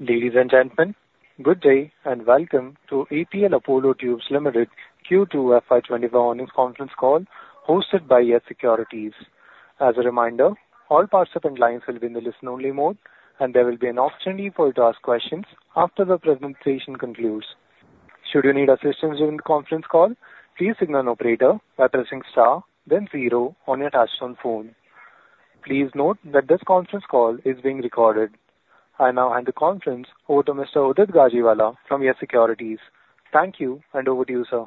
Ladies and gentlemen, good day and welcome to APL Apollo Tubes Limited Q2 FY25 Earnings Conference Call hosted by YES SECURITIES. As a reminder, all participant lines will be in the listen-only mode, and there will be an opportunity for you to ask questions after the presentation concludes. Should you need assistance during the conference call, please signal an operator by pressing star, then zero on your touch phone. Please note that this conference call is being recorded. I now hand the conference over to Mr. Udit Gajiwala from YES SECURITIES. Thank you, and over to you, sir.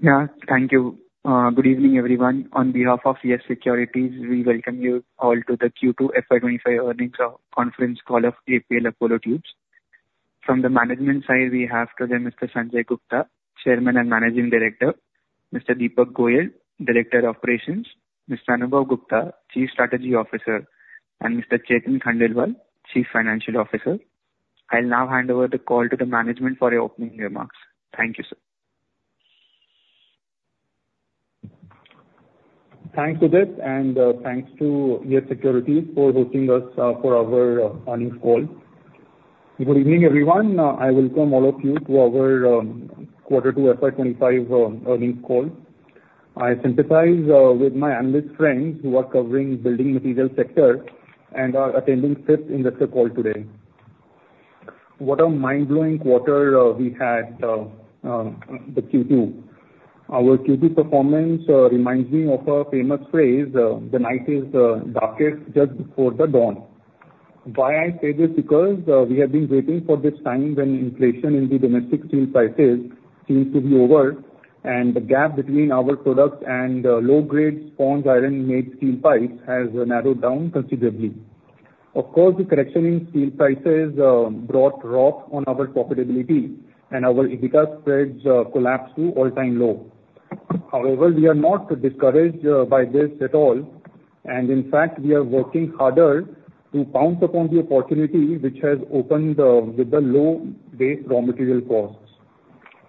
Yeah, thank you. Good evening, everyone. On behalf of YES SECURITIES, we welcome you all to the Q2 FY25 Earnings Conference Call of APL Apollo Tubes. From the management side, we have today Mr. Sanjay Gupta, Chairman and Managing Director, Mr. Deepak Goyal, Director of Operations, Mr. Anubhav Gupta, Chief Strategy Officer, and Mr. Chetan Khandelwal, Chief Financial Officer. I'll now hand over the call to the management for your opening remarks. Thank you, sir. Thanks, Udit, and thanks to YES SECURITIES for hosting us for our earnings call. Good evening, everyone. I welcome all of you to our Q2 FY25 earnings call. I sympathize with my analyst friends who are covering the building materials sector and are attending this investor call today. What a mind-blowing quarter we had, the Q2. Our Q2 performance reminds me of a famous phrase, "The night is darkest just before the dawn." Why I say this? Because we have been waiting for this time when inflation in the domestic steel prices seems to be over, and the gap between our products and low-grade sponge iron-made steel pipes has narrowed down considerably. Of course, the correction in steel prices brought a drop on our profitability, and our EBITDA spreads collapsed to all-time low. However, we are not discouraged by this at all, and in fact, we are working harder to pounce upon the opportunity which has opened with the low base raw material costs.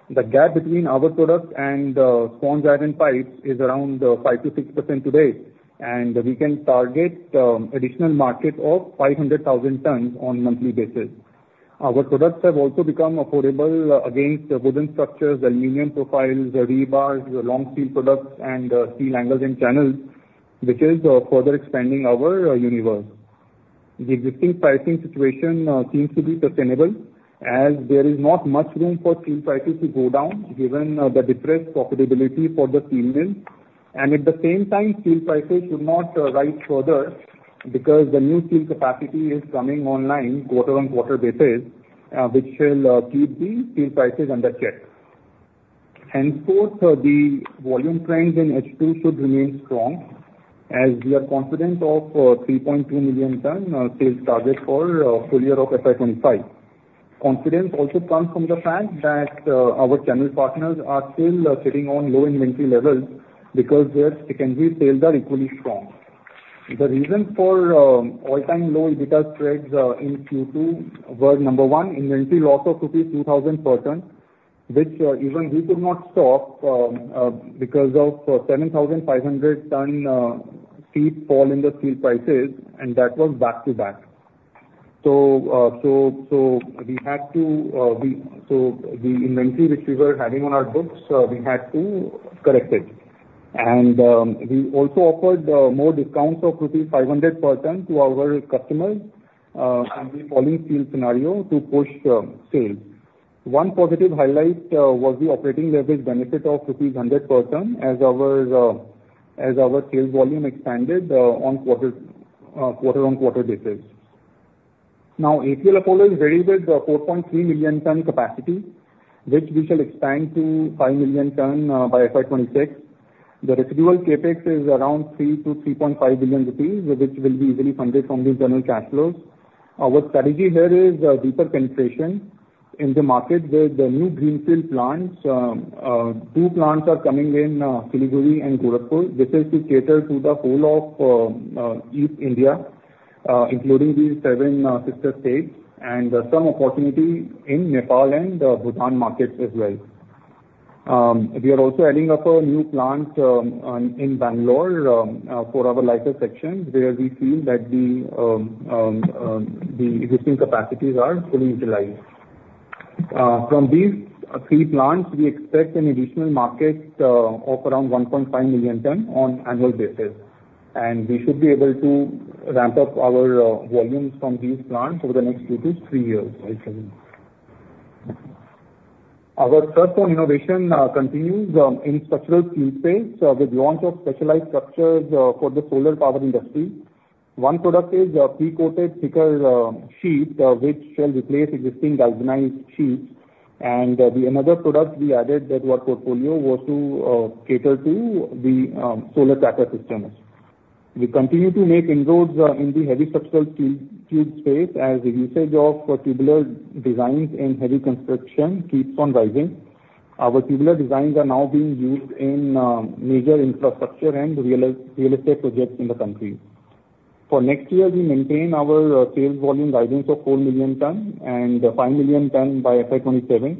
The gap between our products and sponge iron pipes is around 5% to 6% today, and we can target additional market of 500,000 tons on a monthly basis. Our products have also become affordable against wooden structures, aluminum profiles, rebars, long steel products, and steel angles and channels, which is further expanding our universe. The existing pricing situation seems to be sustainable, as there is not much room for steel prices to go down given the depressed profitability for the steel mills. And at the same time, steel prices should not rise further because the new steel capacity is coming online quarter-on-quarter basis, which will keep the steel prices under check. Henceforth, the volume trends in H2 should remain strong, as we are confident of 3.2 million ton sales target for full year of FY25. Confidence also comes from the fact that our channel partners are still sitting on low inventory levels because their secondary sales are equally strong. The reason for all-time low EBITDA spreads in Q2 were number one, inventory loss of rupees 2,000 per ton, which even we could not stop because of 7,500 ton steep fall in the steel prices, and that was back to back, so we had to correct the inventory which we were having on our books, and we also offered more discounts of rupees 500 per ton to our customers in the falling steel scenario to push sales. One positive highlight was the operating leverage benefit of rupees 100 per ton, as our sales volume expanded on a quarter-on-quarter basis. Now, APL Apollo is ready with 4.3 million ton capacity, which we shall expand to 5 million ton by FY26. The residual CapEx is around 3 to 3.5 billion, which will be easily funded from the internal cash flows. Our strategy here is deeper penetration in the market with the new greenfield plants. Two plants are coming in, Siliguri and Gorakhpur. This is to cater to the whole of East India, including the Seven Sister States and some opportunity in Nepal and Bhutan markets as well. We are also adding up a new plant in Bangalore for our light section where we feel that the existing capacities are fully utilized. From these three plants, we expect an additional market of around 1.5 million tons on an annual basis, and we should be able to ramp up our volumes from these plants over the next two to three years. Our search for innovation continues in the structural steel space with the launch of specialized structures for the solar power industry. One product is pre-coated thicker sheet, which shall replace existing galvanized sheets. And another product we added to our portfolio was to cater to the solar tracker systems. We continue to make inroads in the heavy structural steel tube space as the usage of tubular designs in heavy construction keeps on rising. Our tubular designs are now being used in major infrastructure and real estate projects in the country. For next year, we maintain our sales volume guidance of 4 million tons and 5 million tons by FY27.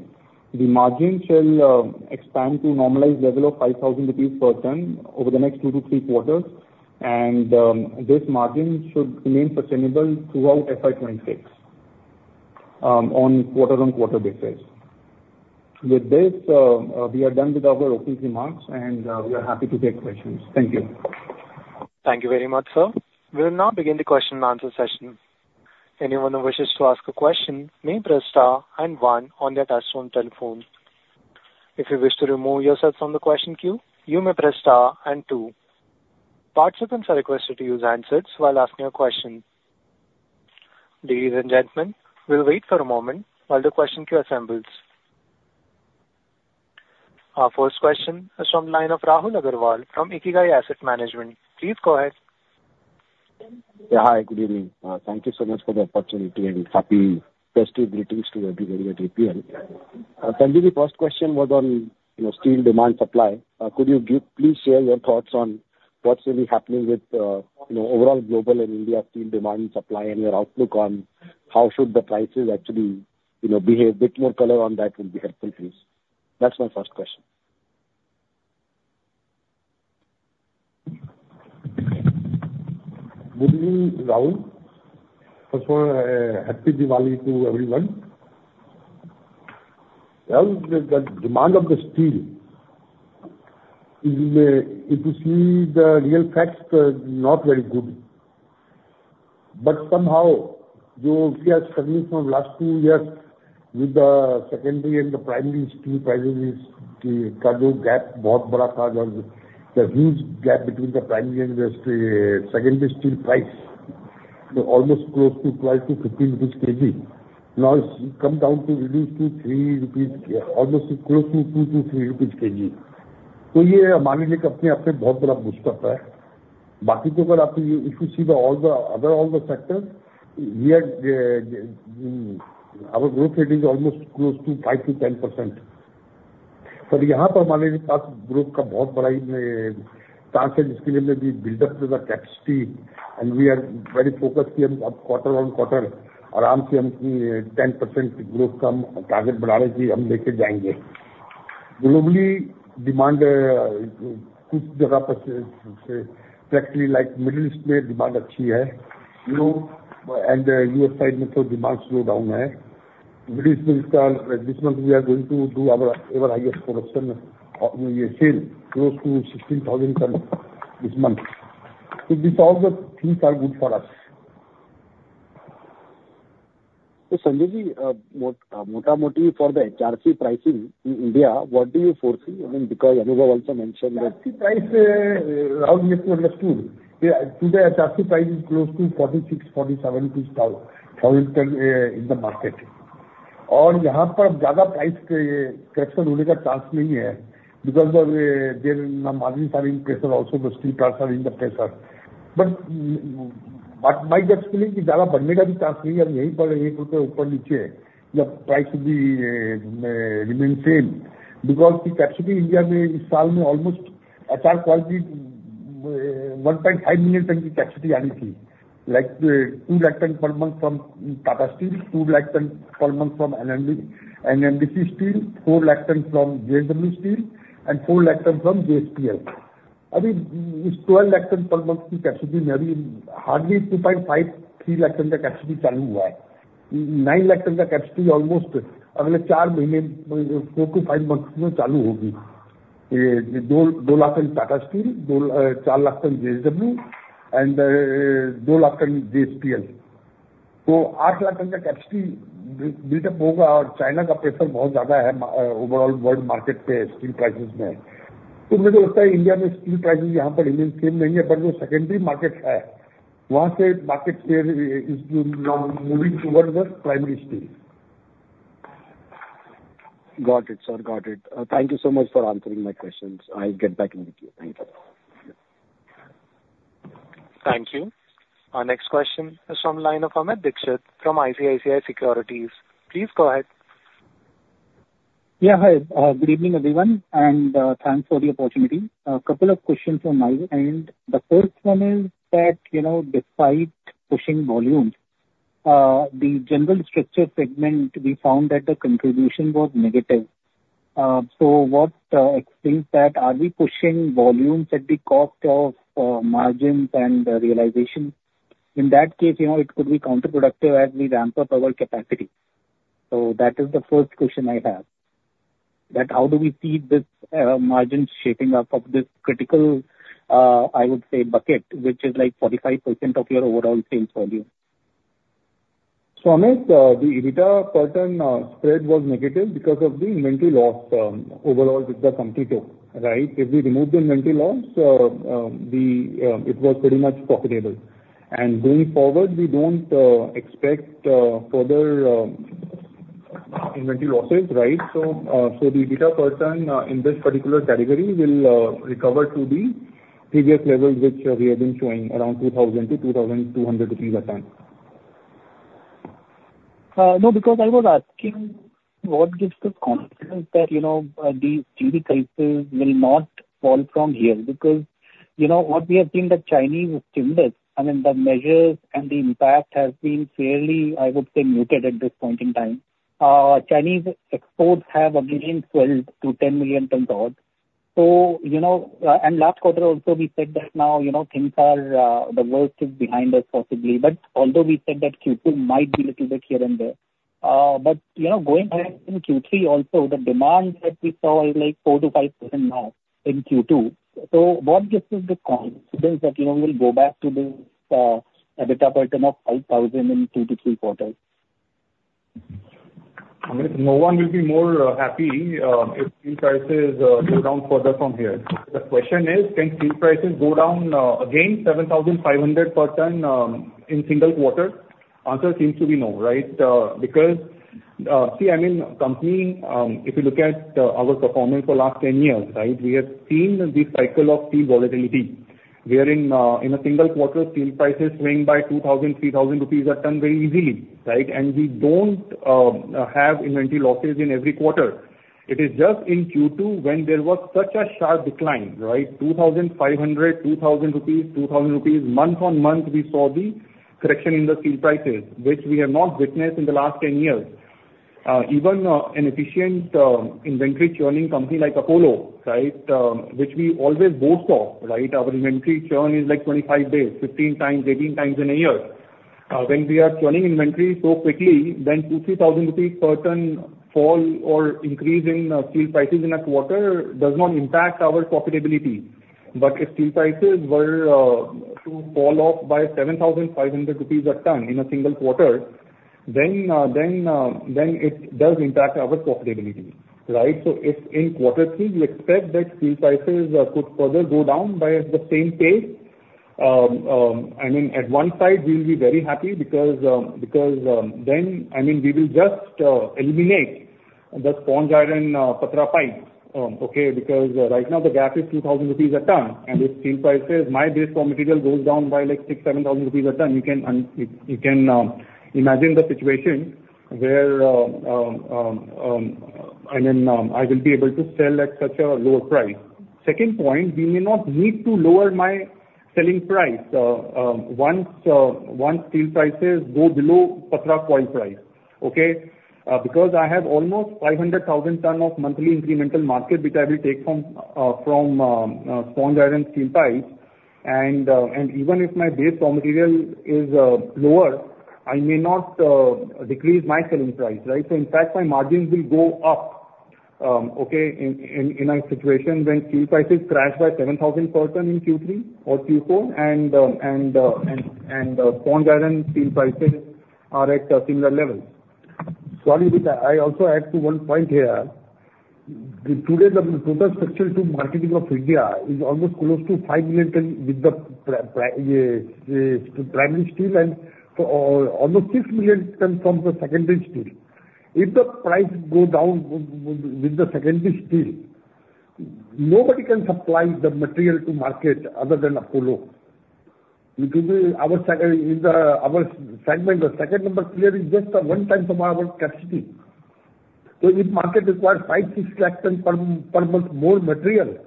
The margin shall expand to a normalized level of 5,000 rupees per ton over the next two to three quarters, and this margin should remain sustainable throughout FY26 on quarter-on-quarter basis. With this, we are done with our opening remarks, and we are happy to take questions. Thank you. Thank you very much, sir. We will now begin the question-and-answer session. Anyone who wishes to ask a question may press star and one on their touch-tone telephone. If you wish to remove yourself from the question queue, you may press star and two. Participants are requested to use handsets while asking a question. Ladies and gentlemen, we'll wait for a moment while the question queue assembles. Our first question is from the line of Rahul Agarwal from IKIGAI Asset Management. Please go ahead. Yeah. Hi, good evening. Thank you so much for the opportunity, and happy festive greetings to everybody at APL. Sanjay, the first question was on, you know, steel demand supply. Could you give please share your thoughts on what's really happening with, you know, overall global and India steel demand supply and your outlook on how should the prices actually, you know, behave? A bit more color on that would be helpful, please. That's my first question. Good evening, Rahul. First of all, Happy Diwali to everyone. Well, the demand of the steel—if you may, if you see the real facts, not very good. But somehow, you see as coming from last two years with the secondary and the primary steel prices, it's the gap, a lot of the huge gap between the primary and the secondary steel price, almost close to 12-15 rupees/kg. Now it's come down to reduce to 3 rupees, almost close to 2-3 rupees/kg. So yeah, mild steel company has a very big boost. But, back to the, if you see all the other sectors, we are, our growth rate is almost close to 5%-10%. But yeah, for mild steel parts, growth got a lot of chance, and it's given the build-up to the capacity, and we are very focused here on quarter-on-quarter. Aage se 10% growth, some target but aare ji hum leke jaayenge. Globally, demand toh jagah per se, especially like Middle East, where demand achhi hai. You know, and U.S. side metal demand slowdown hai. Middle East, this month, we are going to do our ever highest production and sales, close to 16,000 tons this month. So, these all the things are good for us. So, Sanjay ji, mota-moti for the HRC pricing in India, what do you foresee? I mean, because Anubhav also mentioned that. HRC price, Rahul misunderstood. Today, HRC price is close to 46,000 to 47,000 per ton in the market. Yeah, per jagah price correction होने का chance नहीं hai, because of their margins are in pressure also, the steel price are in the pressure. My gut feeling is jagah बढ़ने का भी chance नहीं hai. Yahi per INR 1 upper niche the price should be remain same, because the capacity India में इस साल में almost HR quality 1.5 million ton की capacity आनी thi, like 2 lakh ton per month from Tata Steel, 2 lakh ton per month from NMDC Steel, 4 lakh ton from JSW Steel, and 4 lakh ton from JSPL. अभी 12 lakh ton per month की capacity maybe hardly 2.5-3 lakh ton का capacity चालू हुआ hai. 9 lakh ton का capacity almost अगले चार महीने, 4 to 5 months में चालू होगी. ये 2 lakh ton Tata Steel, 4 lakh ton JSW, and 2 lakh ton JSPL. तो 8 lakh ton का capacity build-up होगा, और China का pressure बहुत ज्यादा है overall world market पे steel prices में. तो मुझे लगता है India में steel prices यहां पर remain same रहेंगे, but जो secondary market है, वहां से market share is moving towards the primary steel. Got it, sir. Got it. Thank you so much for answering my questions. I'll get back in with you. Thank you. Thank you. Our next question is from the line of Amit Dixit from ICICI Securities. Please go ahead. Yeah, hi. Good evening, everyone, and thanks for the opportunity. A couple of questions on my end. The first one is that, you know, despite pushing volumes, the general structure segment, we found that the contribution was negative. So, what explains that? Are we pushing volumes at the cost of margins and realization? In that case, you know, it could be counterproductive as we ramp up our capacity. So that is the first question I have. That how do we see this margins shaping up of this critical, I would say, bucket, which is like 45% of your overall sales volume? So, Amit, the EBITDA per ton spread was negative because of the inventory loss, overall, which the company took, right? If we remove the inventory loss, it was pretty much profitable. And going forward, we don't expect further inventory losses, right? So, the EBITDA per ton in this particular category will recover to the previous level which we have been showing, around 2,000-2,200 rupees a ton. No, because I was asking what gives the confidence that, you know, these HRC prices will not fall from here? Because, you know, what we have seen, the Chinese stimulus, I mean, the measures and the impact has been fairly, I would say, muted at this point in time. Chinese exports have again swelled to 10 million tons odd. So, you know, and last quarter also we said that now, you know, things are, the worst is behind us possibly. But although we said that Q2 might be a little bit here and there, but, you know, going back in Q3 also, the demand that we saw is like 4%-5% now in Q2. So, what gives us the confidence that, you know, we will go back to this, EBITDA per ton of 5,000 in two to three quarters? Amit, no one will be more happy if steel prices go down further from here. The question is, can steel prices go down again 7,500 per ton in single quarter? Answer seems to be no, right? Because see, I mean, company, if you look at our performance for the last 10 years, right, we have seen the cycle of steel volatility. We are in a single quarter, steel prices swing by 2,000, 3,000 rupees a ton very easily, right? And we don't have inventory losses in every quarter. It is just in Q2 when there was such a sharp decline, right? 2,500, 2,000 rupees, 2,000 rupees month-on-month, we saw the correction in the steel prices, which we have not witnessed in the last 10 years. Even an efficient inventory churning company like Apollo, right, which we always boast of, right. Our inventory churn is like 25 days, 15 times, 18 times in a year. When we are churning inventory so quickly, then 2,000 rupees, INR 3,000 per ton fall or increase in steel prices in a quarter does not impact our profitability. But if steel prices were to fall off by 7,500 rupees a ton in a single quarter, then it does impact our profitability, right? So if in Q3 we expect that steel prices could further go down by the same pace, I mean, at one side we'll be very happy because then I mean we will just eliminate the sponge iron Patra pipe, okay? Because right now the gap is 2,000 rupees a ton. If steel prices, my base raw material goes down by like 6,000, 7,000 rupees a ton, you can imagine the situation where, I mean, I will be able to sell at such a lower price. Second point, we may not need to lower my selling price, once steel prices go below Patra coil price, okay? Because I have almost 500,000 ton of monthly incremental market, which I will take from sponge iron steel pipes. And even if my base raw material is lower, I may not decrease my selling price, right? So in fact, my margins will go up, okay, in a situation when steel prices crash by 7,000 per ton in Q3 or Q4, and sponge iron steel prices are at similar levels. Sorry, I also add to one point here. Today, the total structural market of India is almost close to 5 million from the primary steel and almost 6 million from the secondary steel. If the price goes down with the secondary steel, nobody can supply the material to market other than Apollo. It will be our segment, our segment. The number two player is just one-tenth from our capacity. So if the market requires 5,000-6,000 per month more material,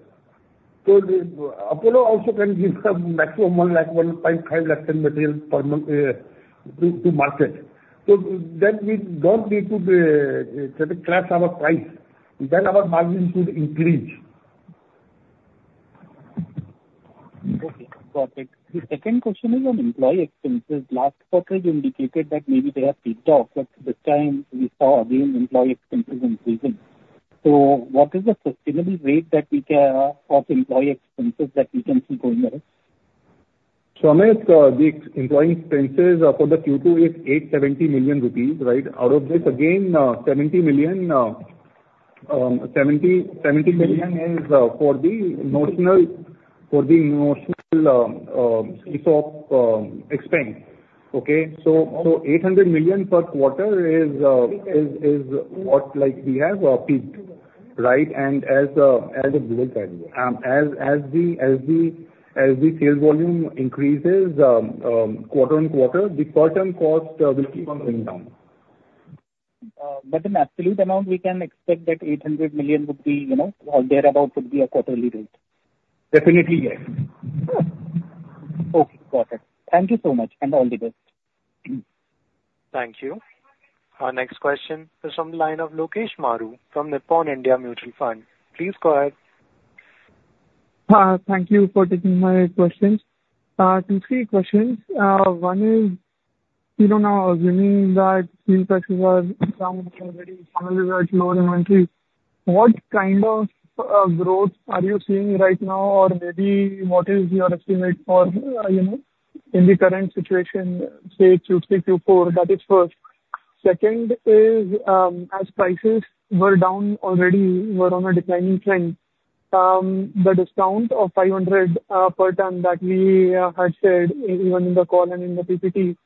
so Apollo also can give maximum 1 million-1.5 million material per month to market. So then we don't need to crash our price. Then our margins should increase. Okay. Got it. The second question is on employee expenses. Last quarter, you indicated that maybe they have picked off, but this time we saw again employee expenses increasing. So what is the sustainable rate that we can have of employee expenses that we can see going up? So Amit, the employee expenses for the Q2 is 870 million rupees, right? Out of this, again, 70 million is for the notional piece of expense, okay? So 800 million per quarter is what like we have peaked, right? And as the sales volume increases, quarter-on-quarter, the per ton cost will keep going down. But in absolute amount, we can expect that 800 million would be, you know, or thereabouts would be a quarterly rate. Definitely, yes. Okay. Got it. Thank you so much, and all the best. Thank you. Our next question is from the line of Lokesh Maru from Nippon India Mutual Fund. Please go ahead. Thank you for taking my questions. Two, three questions. One is, you know, now assuming that steel prices are down already, challenges are lower inventory, what kind of growth are you seeing right now? Or maybe what is your estimate for, you know, in the current situation, say Q3, Q4, that is first. Second is, as prices were down already, were on a declining trend, the discount of 500 per ton that we had said even in the call and in the PPT,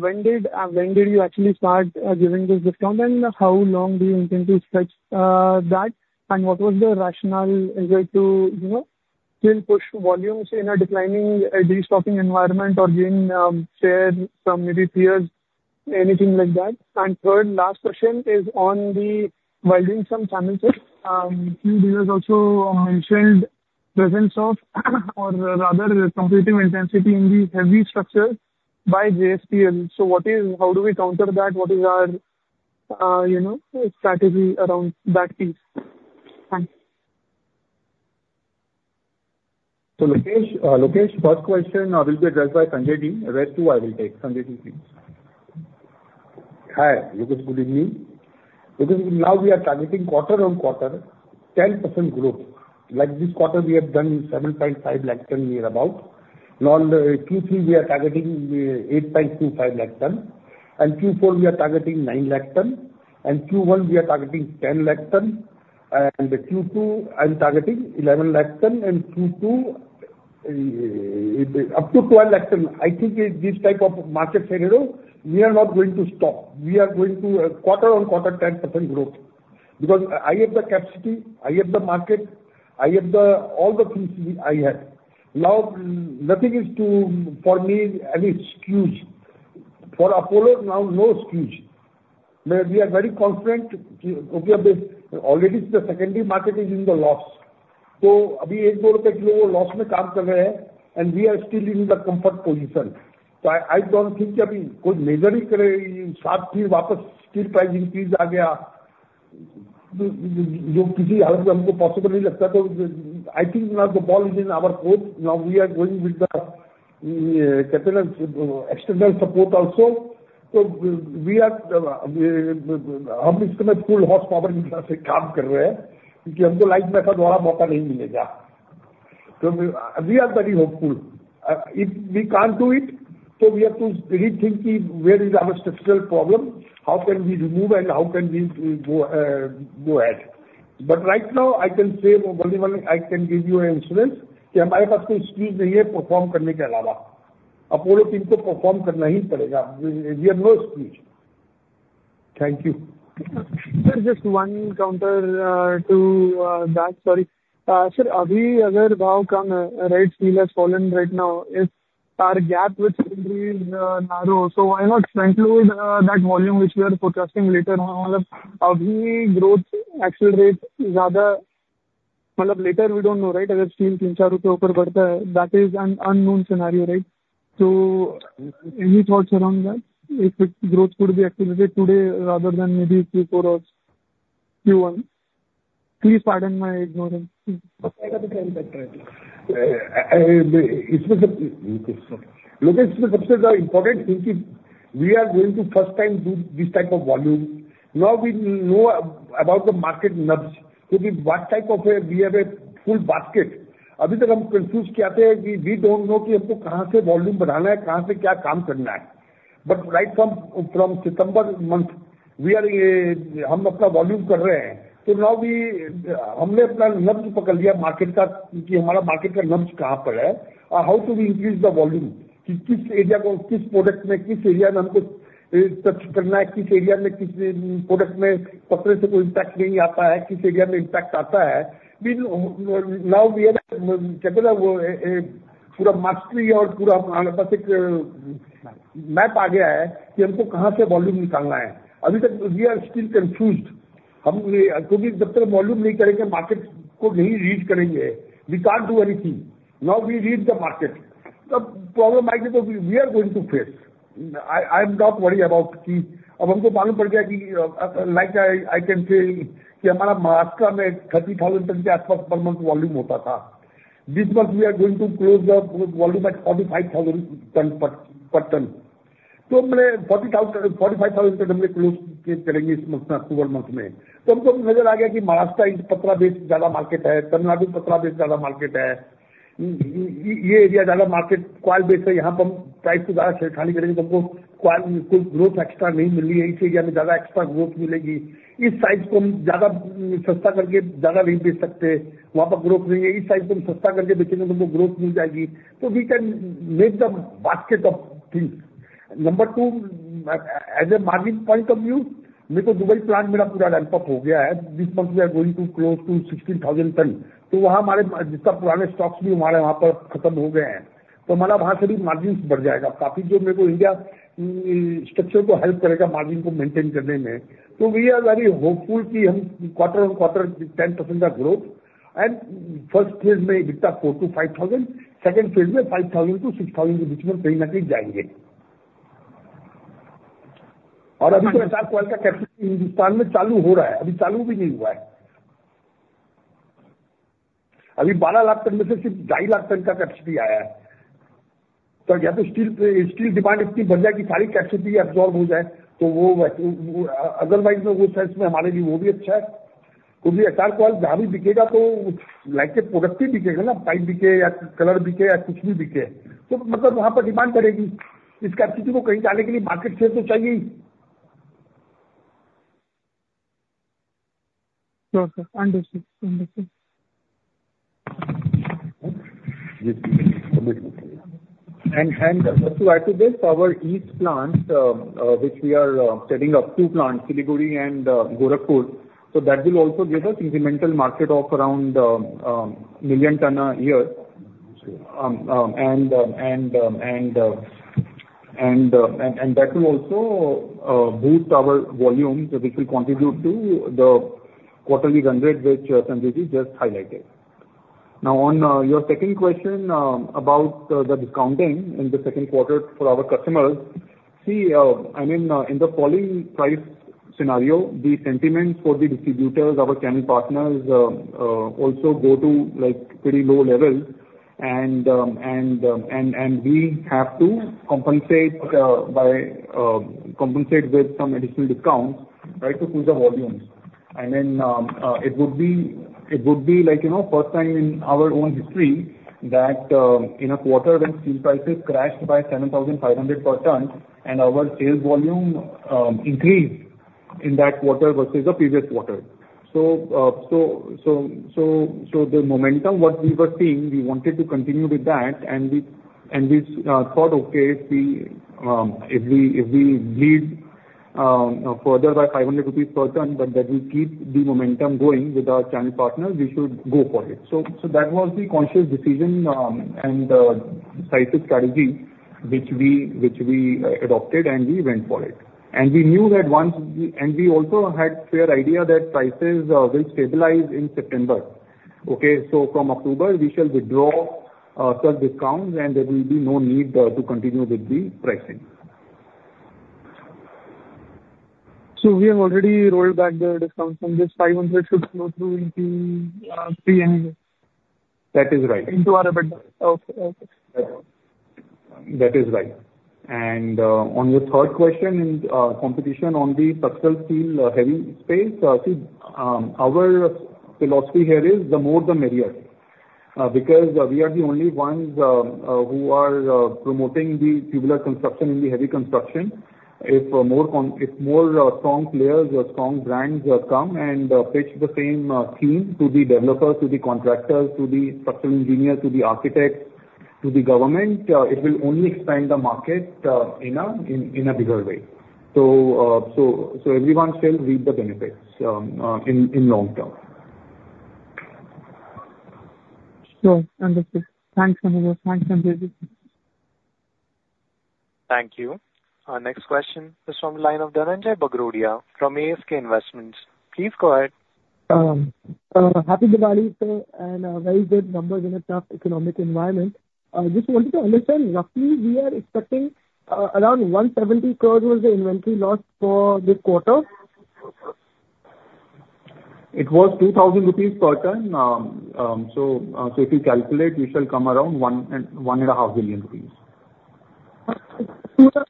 when did, when did you actually start giving this discount? And how long do you intend to stretch that? And what was the rationale to, you know, still push volumes in a declining restocking environment or gain share from maybe peers, anything like that? And third, last question is on the welded sections. You also mentioned presence of, or rather competitive intensity in the heavy structural by JSPL. So what is, how do we counter that? What is our, you know, strategy around that piece? Thanks. Lokesh, Lokesh, first question will be addressed by Sanjay ji. Rest two, I will take. Sanjay ji, please. Hi, Lokesh, good evening. Because now we are targeting quarter-on-quarter 10% growth. Like this quarter, we have done 7.5 lakh ton near about. Now in Q3, we are targeting 8.25 lakh ton. And Q4, we are targeting 9 lakh ton. And Q1, we are targeting 10 lakh ton. And Q2, I'm targeting 11 lakh ton. And Q2, up to 12 lakh ton. I think this type of market scenario, we are not going to stop. We are going to quarter-on-quarter 10% growth. Because I have the capacity, I have the market, I have all the things I have. Now, nothing is to, for me, any excuse. For Apollo, now no excuse. We are very confident. Okay, already the secondary market is in the loss. So abhi INR 1, INR 2 loss mein kaam kar rahe hain. And we are still in the comfort position. So I don't think that we could measure it. शायद फिर वापस steel price increase आ गया. जो किसी हालत में हमको possible नहीं लगता. तो I think now the ball is in our court. Now we are going with the, you know, external support also. So we are almost full horsepower in terms of काम कर रहे हैं. क्योंकि हमको light method वाला मौका नहीं मिलेगा. So we are very hopeful. If we can't do it, so we have to really think where is our structural problem, how can we remove and how can we go ahead. But right now, I can say only one thing I can give you an assurance कि हमारे पास कोई excuse नहीं है perform करने के अलावा. Apollo team को perform करना ही पड़ेगा. We have no excuse. Thank you. Sir, just one counter to that, sorry. Sir, अभी अगर भाव कम है, rates have fallen right now, if our gap with secondary is narrow, so why not channel that volume which we are forecasting later on? मतलब अभी growth accelerate ज्यादा, मतलब later we don't know, right? अगर steel INR 3, INR 4 ऊपर बढ़ता है, that is an unknown scenario, right? So any thoughts around that? If it growth could be accelerated today rather than maybe Q4 or Q1? Please pardon my ignorance. इसमें सबसे Lokesh, इसमें सबसे ज्यादा important thing कि we are going to first time do this type of volume. Now we know about the market nubs. So what type of a we have a full basket. अभी तक हम confused क्या थे कि we don't know कि हमको कहां से volume बढ़ाना है, कहां से क्या काम करना है. But right from September month, we are हम अपना volume कर रहे हैं. So now we हमने अपना nubs पकड़ लिया market का कि हमारा market का nubs कहां पर है. How to increase the volume? कि किस area को किस product में किस area में हमको touch करना है, किस area में किस product में पकड़ने से कोई impact नहीं आता है, किस area में impact आता है. Now we are पूरा mastery और पूरा हमारे पास एक map आ गया है कि हमको कहां से volume निकालना है. अभी तक we are still confused. हम क्योंकि जब तक volume नहीं करेंगे, market को नहीं reach करेंगे, we can't do anything. Now we read the market. तो problem आएगी तो we are going to face. I am not worried about कि अब हमको मालूम पड़ गया कि like I can say कि हमारा Maharashtra में INR 30,000 के आसपास per month volume होता था. This month we are going to close the volume at INR 45,000 per ton. तो हमने INR 40,000, INR 45,000 हमने close करेंगे इस month, October month में. तो हमको नजर आ गया कि Maharashtra Patra base ज्यादा market है, Tamil Nadu Patra base ज्यादा market है. ये area ज्यादा market coil base है, यहां पर हम price को ज्यादा खरीदखानी करेंगे तो हमको coil कोई growth extra नहीं मिल रही है, इस area में ज्यादा extra growth मिलेगी. इस size को हम ज्यादा सस्ता करके ज्यादा नहीं बेच सकते, वहां पर growth नहीं है. इस size को हम सस्ता करके बेचेंगे तो हमको growth मिल जाएगी. So we can make the basket of things. Number two, as a margin point of view, मेरे को Dubai plant मेरा पूरा ramp up हो गया है. This month we are going to close to INR 16,000 ton. तो वहां हमारे जितना पुराने stocks भी हमारे वहां पर खत्म हो गए हैं. तो हमारा वहां से भी margins बढ़ जाएगा काफी, जो मेरे को इंडिया structure को help करेगा margin को maintain करने में. So we are very hopeful कि हम quarter-on-quarter 10% का growth and first phase में 4,000-5,000, second phase में 5,000-6,000 के बीच में कहीं ना कहीं जाएंगे. और अभी तो ऐसा coil का capacity हिंदुस्तान में चालू हो रहा है, अभी चालू भी नहीं हुआ है. अभी 12 लाख ton में से सिर्फ 2.5 लाख ton का capacity आया है. तो या तो steel demand इतनी बढ़ जाए कि सारी capacity absorb हो जाए, तो वो otherwise में वो sense में हमारे लिए वो भी अच्छा है. क्योंकि ऐसा coil जहां भी बिकेगा तो like a product ही बिकेगा ना, pipe बिके या color बिके या कुछ भी बिके. तो मतलब वहां पर demand बढ़ेगी. इस capacity को कहीं जाने के लिए market share तो चाहिए ही. Sure, sir. Understood. Understood. And to add to this, our east plants, which we are setting up two plants, Siliguri and Gorakhpur, so that will also give us incremental market of around a million ton a year. And that will also boost our volume, which will contribute to the quarterly run rate which Sanjay ji just highlighted. Now on your second question about the discounting in the Q2 for our customers, see, I mean, in the falling price scenario, the sentiments for the distributors, our channel partners also go to like pretty low levels. And we have to compensate with some additional discounts, right, to push the volumes. And then it would be like, you know, first time in our own history that in a quarter when steel prices crashed by 7,500 per ton and our sales volume increased in that quarter versus the previous quarter. So the momentum what we were seeing, we wanted to continue with that. And we thought, okay, if we bleed further by 500 rupees per ton, but that we keep the momentum going with our channel partners, we should go for it. So that was the conscious decision and decisive strategy which we adopted and we went for it. And we knew that once, and we also had clear idea that prices will stabilize in September. Okay, so from October, we shall withdraw certain discounts and there will be no need to continue with the pricing. So we have already rolled back the discounts on this 500 should go through into pre-annual? That is right. Into our budget? Okay. Okay. That is right. And on your third question in competition on the sub-scale steel heavy space, see, our philosophy here is the more the merrier. Because we are the only ones who are promoting the tubular construction in the heavy construction. If more strong players, strong brands come and pitch the same theme to the developers, to the contractors, to the structural engineers, to the architects, to the government, it will only expand the market in a bigger way. So, everyone shall reap the benefits in long term. Sure. Understood. Thanks, Sanjay ji. Thank you. Our next question is from the line of Dhananjai Bagrodia from ASK Investments. Please go ahead. Happy Diwali, sir, and very good numbers in a tough economic environment. Just wanted to understand, roughly we are expecting around 170 crore was the inventory loss for this quarter? It was 2,000 rupees per ton. So if you calculate, we shall come around 1.5 billion rupees. 2,000 into INR 250 because only one month inventory we keep, right?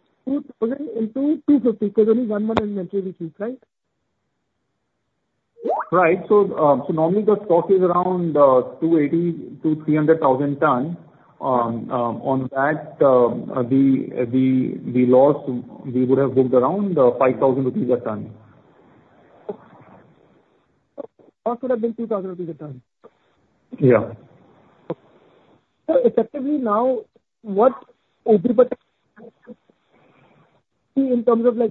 Right. So normally the stock is around 280,000-300,000 ton. On that, the loss we would have booked around 5,000 rupees a ton. Okay. Loss would have been 2,000 rupees a ton? Yeah. So, effectively now, what [inaudible] in terms of like.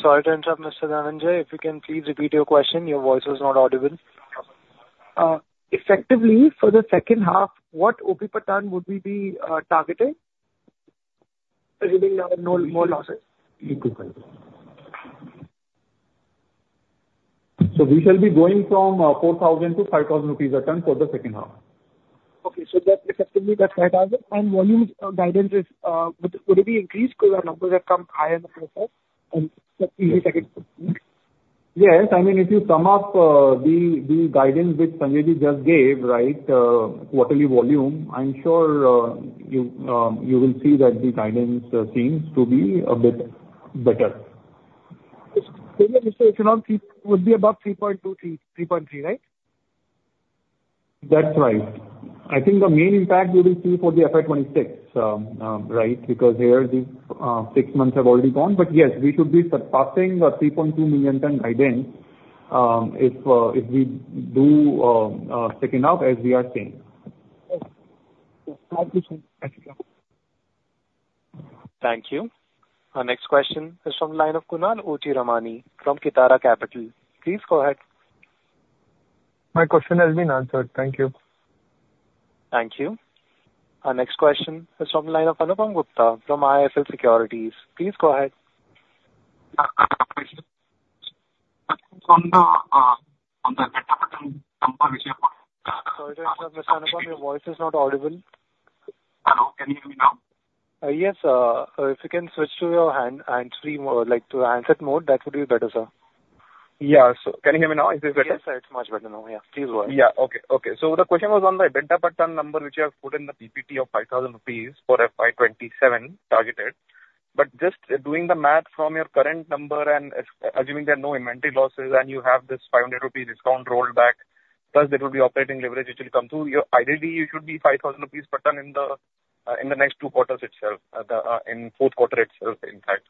Sorry to interrupt, Mr. Dhananjai. If you can please repeat your question. Your voice was not audible. Effectively, for the second half, what EBITDA would we be targeting? Expecting no more losses? Steel price. So we shall be going from 4,000 to 5,000 rupees a ton for the second half. Okay. So that effectively that's 5,000. And volume guidance is, would it be increased because our numbers have come higher in the process? And second. Yes. I mean, if you sum up the guidance which Sanjay ji just gave, right, quarterly volume, I'm sure you will see that the guidance seems to be a bit better. If you don't keep, it would be about 3.23 million, 3.3 million, right? That's right. I think the main impact we will see for the FY26, right, because here the six months have already gone. But yes, we should be surpassing the 3.2 million ton guidance if we do second up as we are saying. Thank you. Thank you. Our next question is from the line of Kunal Ochiramani from Kitara Capital. Please go ahead. My question has been answered. Thank you. Thank you. Our next question is from the line of Anupam Gupta from IIFL Securities. Please go ahead. On the metapaton number. Sorry, Mr. Anupam, your voice is not audible. Hello, can you hear me now? Yes. If you can switch to your handset and like to answer mode, that would be better, sir. Yeah. So can you hear me now? Is this better? Yes, it's much better now. Yeah. Please go ahead. Yeah. Okay. Okay. So the question was on the EBITDA number which you have put in the PPT of 5,000 rupees for FY27 targeted. But just doing the math from your current number and assuming there are no inventory losses and you have this 500 rupees discount rolled back, plus there will be operating leverage which will come through, ideally you should be 5,000 rupees per ton in the next two quarters itself, in Q4 itself, in fact,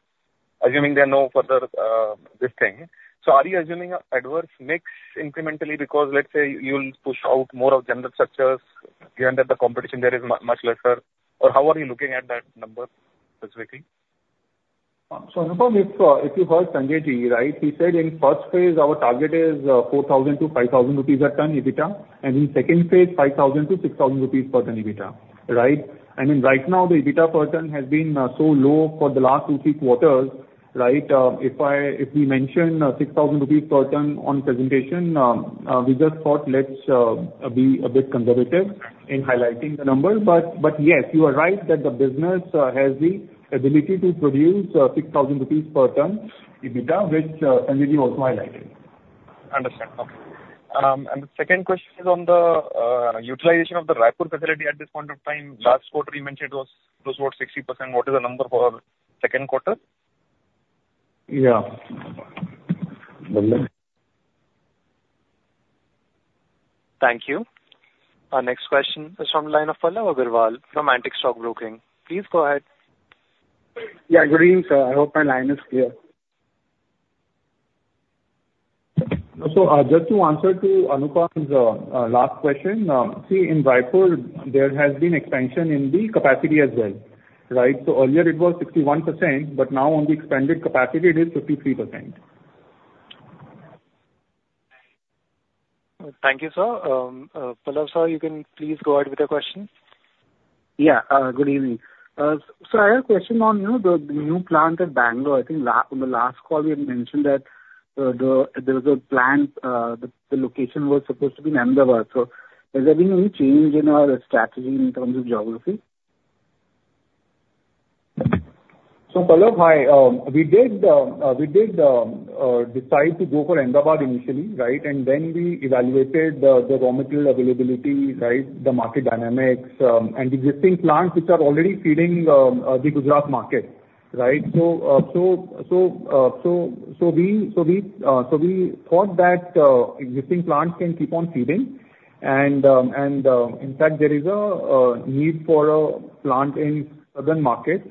assuming there are no further this thing. So are you assuming adverse mix incrementally because let's say you'll push out more of general structures given that the competition there is much lesser? Or how are you looking at that number specifically? Anupam, if you heard Sanjay ji, right, he said in first phase our target is 4,000-5,000 rupees a ton EBITDA, and in second phase 5,000-6,000 rupees per ton EBITDA, right? I mean, right now the EBITDA per ton has been so low for the last two three quarters, right? If we mention 6,000 rupees per ton on presentation, we just thought let's be a bit conservative in highlighting the number. But yes, you are right that the business has the ability to produce 6,000 rupees per ton EBITDA which Sanjay ji also highlighted. Understood. Okay. And the second question is on the utilization of the Raipur facility at this point of time. Last quarter you mentioned it was close about 60%. What is the number for Q2? Yeah. Thank you. Our next question is from the line of Pallav Agarwal from Antique Stock Broking. Please go ahead. Yeah. Good evening, sir. I hope my line is clear. So just to answer to Anupam's last question, see, in Raipur, there has been expansion in the capacity as well, right? So earlier it was 61%, but now on the expanded capacity it is 53%. Thank you, sir. Pallav sir, you can please go ahead with your question. Yeah. Good evening. So I have a question on the new plant at Bangalore. I think on the last call we had mentioned that there was a plan, the location was supposed to be in Ahmedabad. So has there been any change in our strategy in terms of geography? So Pallav, we did decide to go for Ahmedabad initially, right? And then we evaluated the raw material availability, right, the market dynamics, and existing plants which are already feeding the Gujarat market, right? So we thought that existing plants can keep on feeding. And in fact, there is a need for a plant in the southern market.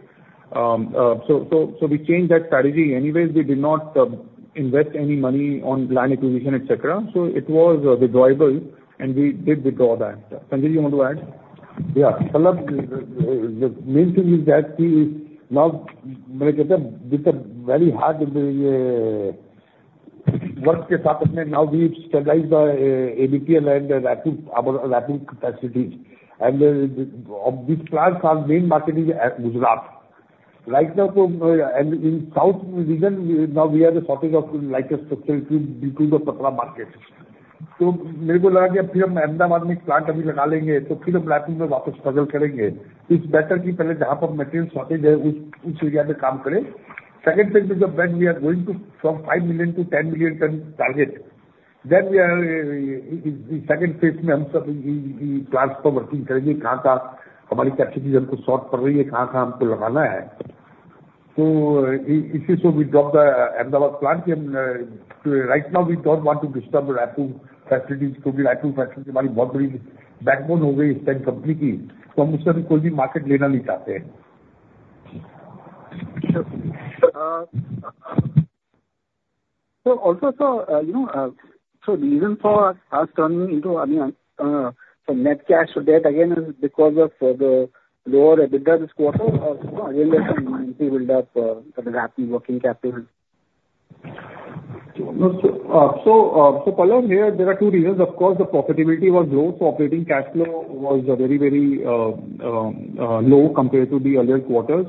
So we changed that strategy. Anyways, we did not invest any money on land acquisition, et cetera. So it was withdrawable, and we did withdraw that. Sanjay ji, you want to add? Yeah. Pallav, the main thing is that see now with the very hard work that we have done now, we've stabilized the APL and Raipur capacities. This plant's main market is Gujarat. Right now, in the south region, now we have a shortage of structural equipment due to the Patra market. So मेरे को लगा कि अब फिर हम Ahmedabad में एक plant अभी लगा लेंगे, तो फिर हम Raipur में वापस struggle करेंगे. It's better that we jump up material shortage है, उस area में काम करें. Second phase is the bit we are going to from 5 million to 10 million ton target. Then we are in second phase में हम सब plants पर working करेंगे, कहां-कहां हमारी capacity हमको short पड़ रही है, कहां-कहां हमको लगाना है. We dropped the Ahmedabad plant. Right now, we don't want to disturb Raipur facilities because Raipur facilities हमारी बहुत बड़ी backbone हो गई is the company की. So हम उससे कोई भी market लेना नहीं चाहते हैं. So also, sir, you know, so the reason for us turning into net cash today again is because of the lower EBITDA this quarter, or again there's some inability to build up the working capital? So Pallav, here there are two reasons. Of course, the profitability was low, so operating cash flow was very, very low compared to the earlier quarters.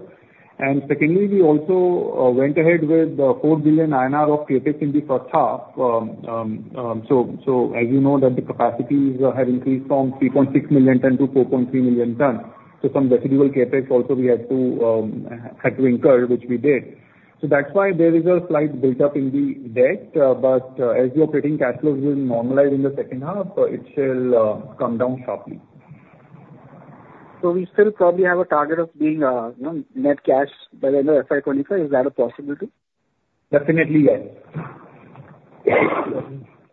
And secondly, we also went ahead with the 4 billion INR of capex in the first half. So as you know, the capacities have increased from 3.6 million ton to 4.3 million ton. So some residual capex also we had to incur, which we did. So that's why there is a slight buildup in the debt. But as the operating cash flows will normalize in the second half, it shall come down sharply. So we still probably have a target of being net cash by the end of FY25. Is that a possibility? Definitely, yes.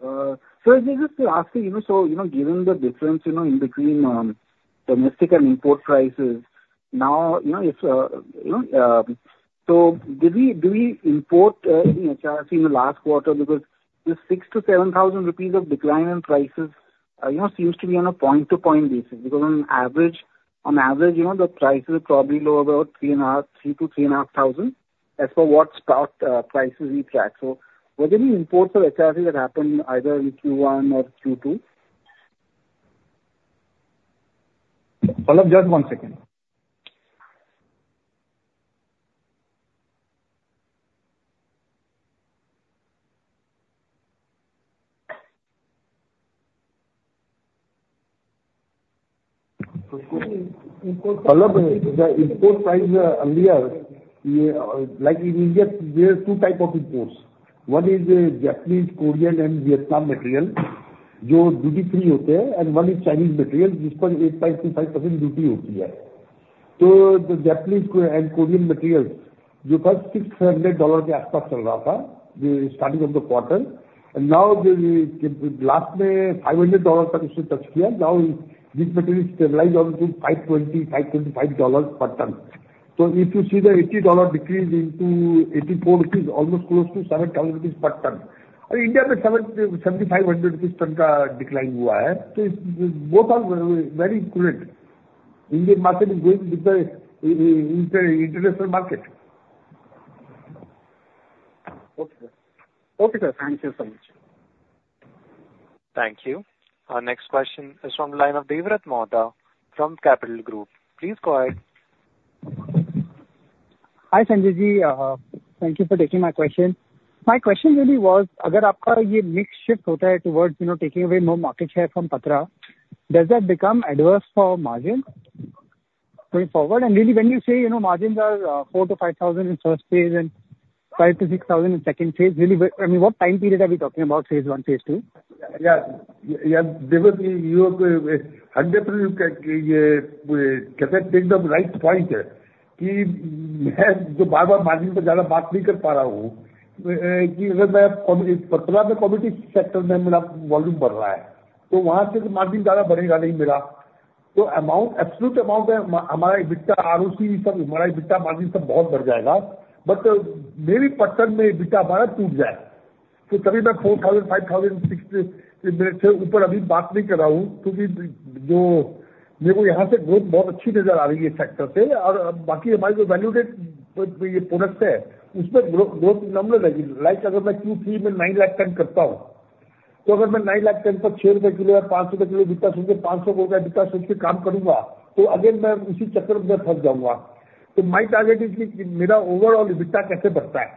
So I was just asking, so given the difference in between domestic and import prices, now if so did we import any HRC in the last quarter? Because the 6,000-7,000 rupees of decline in prices seems to be on a point-to-point basis. Because on average, the prices are probably low about 3,000-3,500 as per what stock prices we track. So was there any imports of HRC that happened either in Q1 or Q2? Pallav, just one second. Pallav, the import price earlier, like in India, there are two types of imports. One is Japanese, Korean, and Vietnam material, जो duty-free होते हैं. And one is Chinese material, जिस पर 8.25% duty होती है. So the Japanese and Korean materials, the first $600 के आसपास चल रहा था the starting of the quarter. And now last May, $500 तक उसने touched here. Now this material is stabilized down to $520-$525 per ton. So if you see the $80 decrease into $84, almost close to ₹7,000 per ton. And India में ₹7,500 ton का decline हुआ है. So both are very current. Indian market is going with the international market. Okay, sir. Okay, sir. Thank you so much. Thank you. Our next question is from the line of Devvrat Mohta from Capital Group. Please go ahead. Hi Sanjay ji. Thank you for taking my question. My question really was, अगर आपका ये mix shift होता है towards taking away more market share from Patra, does that become adverse for margins going forward? And really, when you say margins are 4,000-5,000 in first phase and 5,000-6,000 in second phase, really, I mean, what time period are we talking about, phase one, phase two? Yeah. Yeah. Devvrat ji, you have 100% you can take the right point. कि मैं जो बार-बार margin पर ज्यादा बात नहीं कर पा रहा हूं. कि अगर मैं Patra में committed sector में मेरा volume बढ़ रहा है, तो वहां से margin ज्यादा बढ़ेगा नहीं मेरा. तो amount, absolute amount है, हमारा EBITDA, ROC, सब हमारा EBITDA margin सब बहुत बढ़ जाएगा. But maybe Patra में EBITDA हमारा टूट जाए. तो तभी मैं INR 4,000, INR 5,000, INR 6,000 से ऊपर अभी बात नहीं कर रहा हूं. क्योंकि जो मेरे को यहां से growth बहुत अच्छी नजर आ रही है sector से. और बाकी हमारे जो valued products हैं, उसमें growth enormous है. Like अगर मैं Q3 में 9,000,000 ton करता हूं, तो अगर मैं 9,000,000 ton पर INR 6 किलो या INR 500 किलो EBITDA सोच के INR 500 किलो का EBITDA सोच के काम करूंगा, तो again मैं उसी चक्कर में फंस जाऊंगा. तो my target is कि मेरा overall EBITDA कैसे बढ़ता है.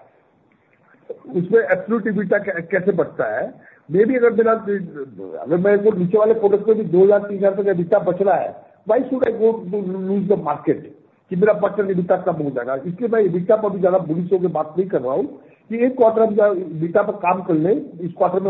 उसमें absolute EBITDA कैसे बढ़ता है. Maybe अगर मेरा, अगर मैं जो नीचे वाले products में भी INR 2,000, INR 3,000 का EBITDA बच रहा है, why should I go lose the market? कि मेरा personal EBITDA कम हो जाएगा. इसलिए मैं EBITDA पर अभी ज्यादा bullish होकर बात नहीं कर रहा हूं. कि एक quarter हम EBITDA पर काम कर लें, इस quarter में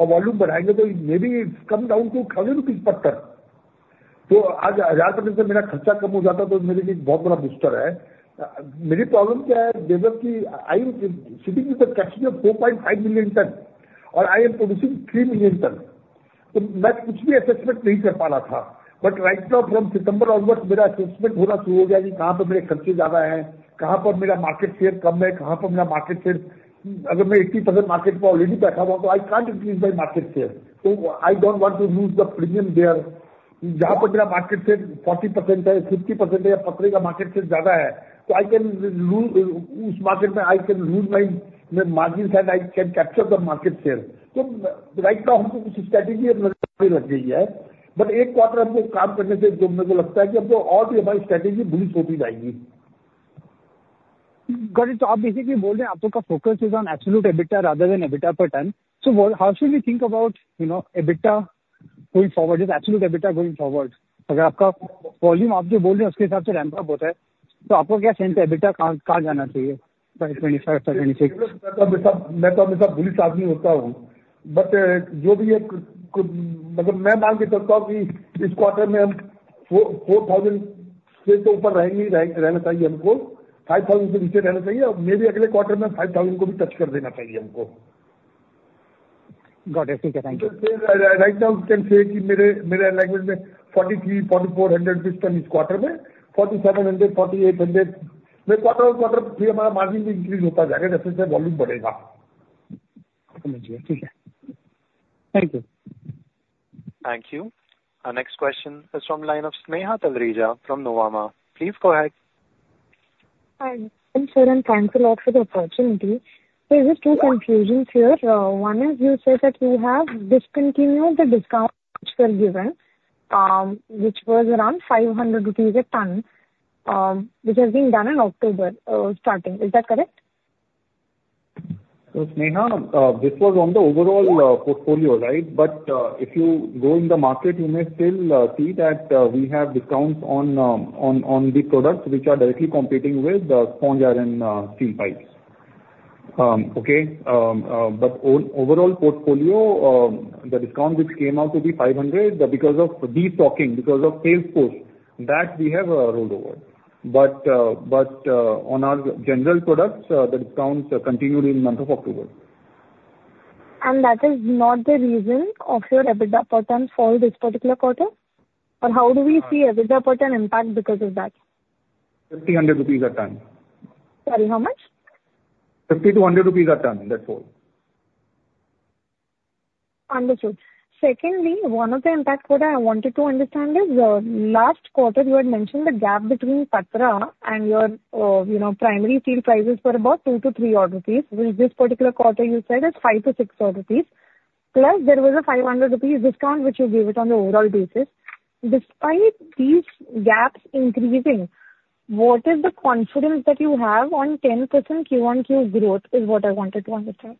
volume पहले produce कर लें. क्योंकि हमारे खर्चों पर बहुत फर्क पड़ेगा इससे. Likely मैं बताता हूं, हमारा जो मैं अभी देख रहा था आज के Board meeting में ही अपना, हमारा almost fixed खर्चा है INR 2,000 per ton के आसपास है. और हमने INR 750,000 ton किया है. ये खर्चा मेरा कुछ तो reduce भी कर रहे हैं, कुछ हम इसको और ठीक करेंगे और volume बढ़ाएंगे. तो maybe it's come down to INR 1,000 per ton. तो आज INR 1,000 से मेरा खर्चा कम हो जाता, तो मेरे लिए एक बहुत बड़ा booster है. मेरी problem क्या है, Devvrat ji, I am sitting with a cash flow of INR 4.5 million ton और I am producing INR 3 million ton. तो मैं कुछ भी assessment नहीं कर पा रहा था. But right now from September onwards मेरा assessment होना शुरू हो गया कि कहां पर मेरे खर्चे ज्यादा हैं, कहां पर मेरा market share कम है, कहां पर मेरा market share, अगर मैं 80% market पर already बैठा हुआ हूं, तो I can't increase my market share. तो I don't want to lose the premium there. जहां पर मेरा market share 40% है, 50% है या Patra का market share ज्यादा है, तो I can lose उस market में I can lose my margin and I can capture the market share. तो right now हमको कुछ strategy अब लग गई है. But एक quarter हमको काम करने से जो मेरे को लगता है कि हमको और भी हमारी strategy bullish होती जाएगी. Got it. तो आप basically बोल रहे हैं आप लोग का focus is on absolute EBITDA rather than EBITDA per ton. So how should we think about EBITDA going forward? Absolute EBITDA going forward, अगर आपका volume आप जो बोल रहे हैं उसके हिसाब से ramp up होता है, तो आपका क्या sense है EBITDA कहां जाना चाहिए INR 25,000, INR 26,000? मैं तो हमेशा bullish आदमी होता हूं, but जो भी है, मतलब मैं मान के चलता हूं कि इस quarter में हम INR 4,000 से तो ऊपर रहना चाहिए हमको, INR 5,000 से नीचे रहना चाहिए, और maybe अगले quarter में INR 5,000 को भी touch कर देना चाहिए हमको. Got it. ठीक है. Thank you. Right now we can say कि मेरे language में INR 43,000, INR 44,000 ton इस quarter में, INR 47,000, INR 48,000. मैं quarter-on-quarter फिर हमारा margin भी increase होता जाएगा, जैसे-जैसे volume बढ़ेगा. समझ गया. ठीक है. Thank you. Thank you. Our next question is from the line of Sneha Talreja from Nuvama. Please go ahead. Hi, I'm here and thanks a lot for the opportunity. There's two confusions here. One is you said that you have discontinued the discount which was given, which was around 500 rupees a ton, which has been done in October starting. Is that correct? So, Sneha, this was on the overall portfolio, right? But if you go in the market, you may still see that we have discounts on the products which are directly competing with sponge iron steel pipes. Okay? But overall portfolio, the discount which came out to be 500 because of de-stocking, because of sales post, that we have rolled over. But on our general products, the discounts continued in the month of October. And that is not the reason of your EBITDA per ton for this particular quarter? Or how do we see EBITDA per ton impact because of that? 50,000 per ton. Sorry, how much? 50 rupees to 100 per ton. That's all. Understood. Secondly, one of the impacts that I wanted to understand is last quarter you had mentioned the gap between Patra and your primary steel prices were about 2,000-3,000 rupees, which this particular quarter you said is 5,000-6,000 rupees. Plus, there was a 500 rupees discount which you gave it on the overall basis. Despite these gaps increasing, what is the confidence that you have on 10% Q1Q growth is what I wanted to understand.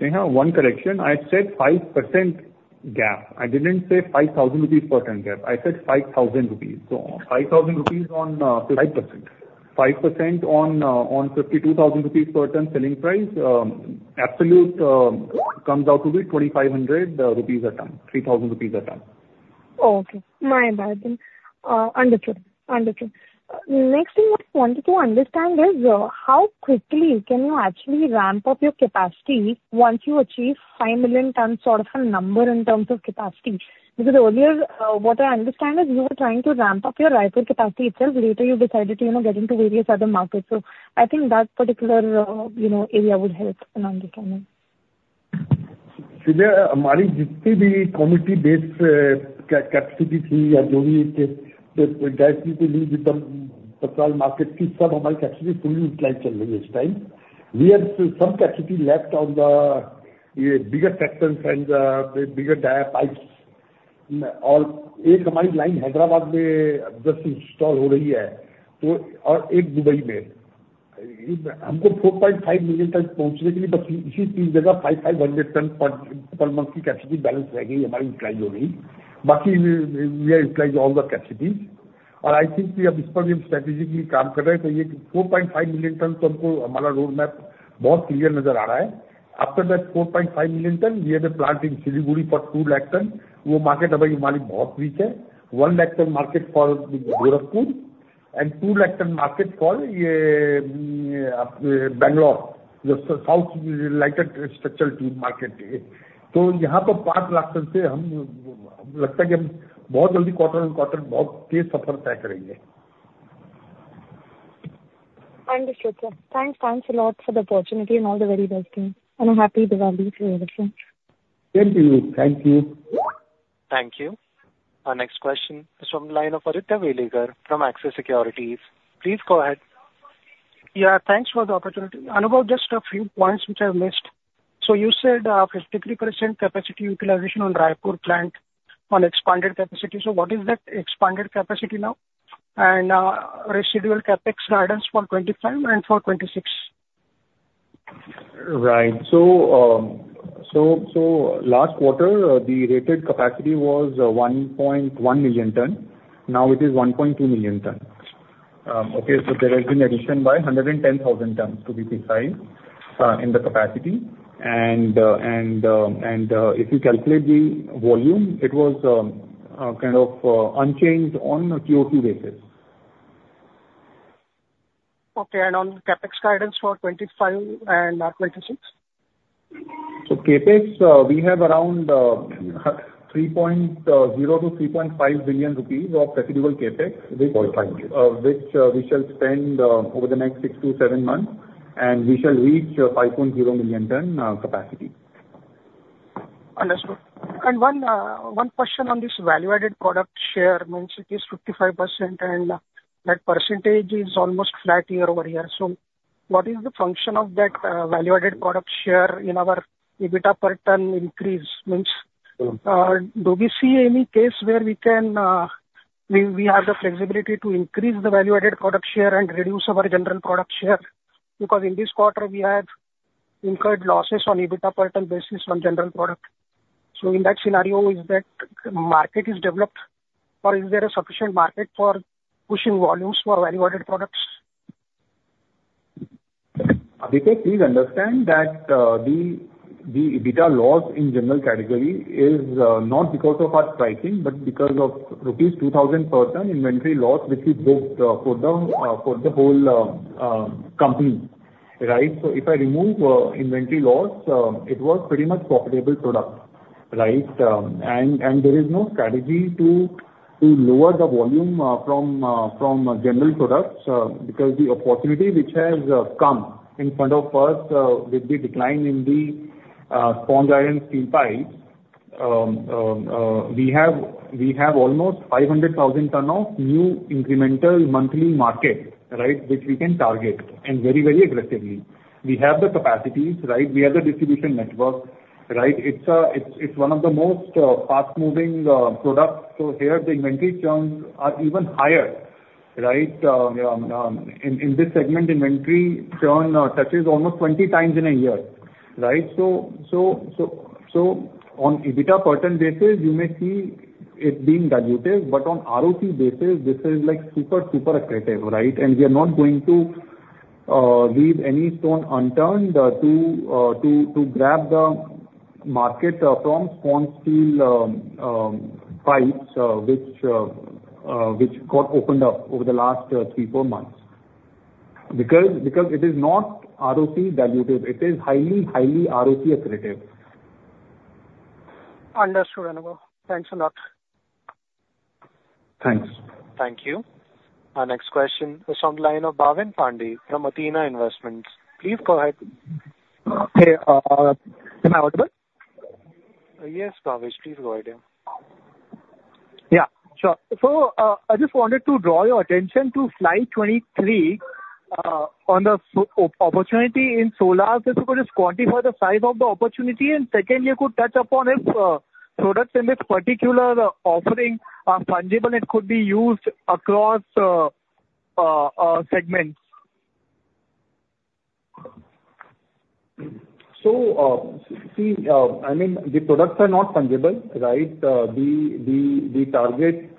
Sneha, one correction. I said 5% gap. I didn't say 5,000 rupees per ton gap. I said 5,000 rupees. So INR 5,000 on 5%. 5% on 52,000 rupees per ton selling price, absolute comes out to be 2,500 rupees a ton, 3,000 rupees a ton. Oh, okay. My bad. Understood. Understood. Next thing I wanted to understand is how quickly can you actually ramp up your capacity once you achieve 5 million ton sort of a number in terms of capacity? Because earlier, what I understand is you were trying to ramp up your Raipur capacity itself. Later you decided to get into various other markets. So I think that particular area would help in understanding. Sinha, हमारी जितनी भी committed base capacity थी या जो भी capacity to leave with the Patra market थी, सब हमारी capacity fully utilized चल रही है इस time. We have some capacity left on the bigger sectors and the bigger dia pipes. और एक हमारी line Hyderabad में just install हो रही है. तो और एक Dubai में. हमको 4,500,000 ton पहुंचने के लिए बस इसी तीन जगह INR 5,500 ton per month की capacity balance रह गई हमारी utilize हो गई. बाकी we have utilized all the capacities. और I think कि अब इस पर भी हम strategically काम कर रहे हैं. तो ये 4,500,000 ton तो हमको हमारा roadmap बहुत clear नजर आ रहा है. After that INR 4,500,000 ton, we have a plant in Siliguri for INR 2,000,000 ton. वो market अभी हमारी बहुत weak है. 1,000,000 ton market for Gorakhpur and 2,000,000 ton market for Bangalore, the south light structural market. तो यहां पर INR 5,00,000 ton से हम लगता है कि हम बहुत जल्दी quarter-on-quarter बहुत तेज सफर तय करेंगे. Understood, sir. Thanks. Thanks a lot for the opportunity and all the very best things. And a Happy Diwali to all of you. Same to you. Thank you. Thank you. Our next question is from the line of Aditya Welekar from Axis Securities. Please go ahead. Yeah. Thanks for the opportunity. Anubhav, just a few points which I've missed, so you said 53% capacity utilization on Raipur plant on expanded capacity, so what is that expanded capacity now, and residual CapEx guidance for 25 and for 26? Right. So last quarter, the rated capacity was 1,000,000 ton. Now it is 1,200,000 ton. Okay? So there has been an addition by 110,000 ton to be declined in the capacity. And if you calculate the volume, it was kind of unchanged on a Q2 basis. Okay, and on CapEx guidance for 25 and 26? CapEx, we have around 3.0-3.5 billion rupees of residual CapEx, which we shall spend over the next six to seven months. We shall reach 5.0 million ton capacity. Understood. And one question on this value-added product share means it is 55% and that percentage is almost flat year-over-year. So what is the function of that value-added product share in our EBITDA per ton increase? Means do we see any case where we can have the flexibility to increase the value-added product share and reduce our general product share? Because in this quarter, we have incurred losses on EBITDA per ton basis on general product. So in that scenario, is that market developed? Or is there a sufficient market for pushing volumes for value-added products? Aditya, please understand that the EBITDA loss in general category is not because of our pricing, but because of rupees 2,000 per ton inventory loss which we booked for the whole company. Right? So if I remove inventory loss, it was pretty much profitable product. Right? And there is no strategy to lower the volume from general products because the opportunity which has come in front of us with the decline in the sponge iron steel pipes, we have almost 500,000 ton of new incremental monthly market, right, which we can target and very, very aggressively. We have the capacities, right? We have the distribution network, right? It's one of the most fast-moving products. So here, the inventory churns are even higher, right? In this segment, inventory churn touches almost 20 times in a year. Right? So on EBITDA per ton basis, you may see it being diluted, but on ROC basis, this is like super, super attractive, right? And we are not going to leave any stone unturned to grab the market from sponge steel pipes which got opened up over the last three, four months. Because it is not ROC diluted, it is highly, highly ROC attractive. Understood, Anubhav. Thanks a lot. Thanks. Thank you. Our next question is from the line of Bhavin Pande from Athena Investments. Please go ahead. Hey. Am I audible? Yes, Kavish, please go ahead. Yeah. Sure. So I just wanted to draw your attention to slide 23 on the opportunity in solars. If you could just quantify the size of the opportunity, and secondly, you could touch upon if products in this particular offering are fungible and could be used across segments. So see, I mean, the products are not fungible, right? The target,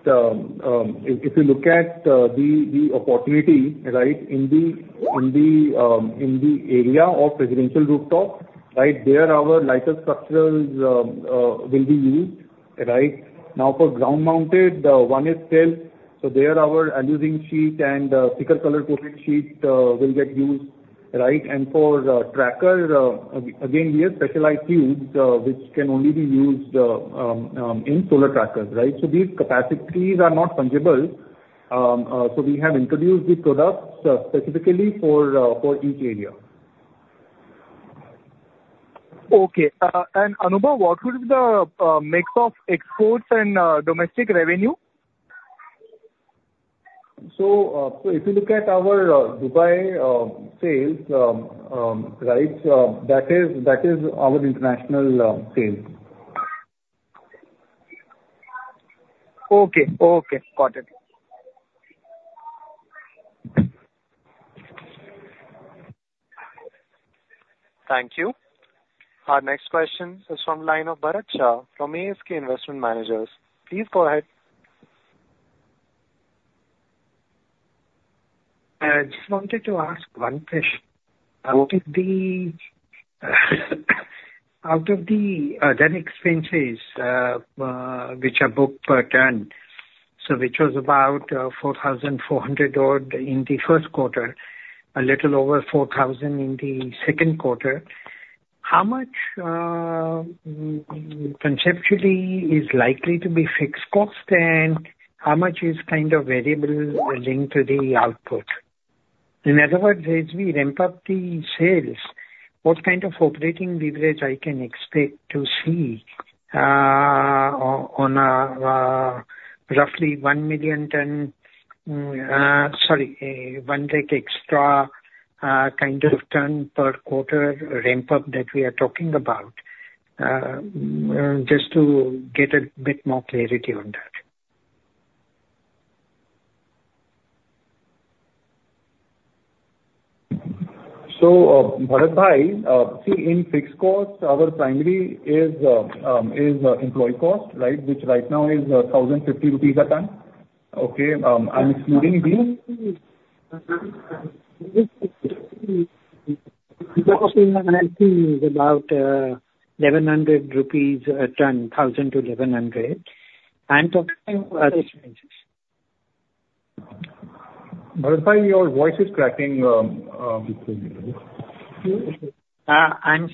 if you look at the opportunity, right, in the area of residential rooftop, right, there our light structures will be used, right? Now for ground-mounted, one is still. So there our Alu-Zinc sheet and thicker color coating sheet will get used, right? And for tracker, again, we have specialized tubes which can only be used in solar trackers, right? So these capacities are not fungible. So we have introduced the products specifically for each area. Okay. And Anubhav, what would be the mix of exports and domestic revenue? So if you look at our Dubai sales, right, that is our international sales. Okay. Okay. Got it. Thank you. Our next question is from the line of Bharat Shah from ASK Investment Managers. Please go ahead. I just wanted to ask one question. Out of the then expenses which are booked per ton, so which was about 4,400 in the Q1, a little over 4,000 in the Q2, how much conceptually is likely to be fixed cost, and how much is kind of variable linked to the output? In other words, as we ramp up the sales, what kind of operating leverage I can expect to see on a roughly 1 million ton, sorry, 1 extra kind of ton per quarter ramp-up that we are talking about? Just to get a bit more clarity on that. Bharatbhai, see, in fixed cost, our primary is employee cost, right, which right now is 1,050 rupees a ton. Okay? I'm excluding these. Because we have an HRC is about INR 1,100 a ton, INR 1,000-1,100. I'm talking about expenses. Bharatbhai, your voice is cracking. I'm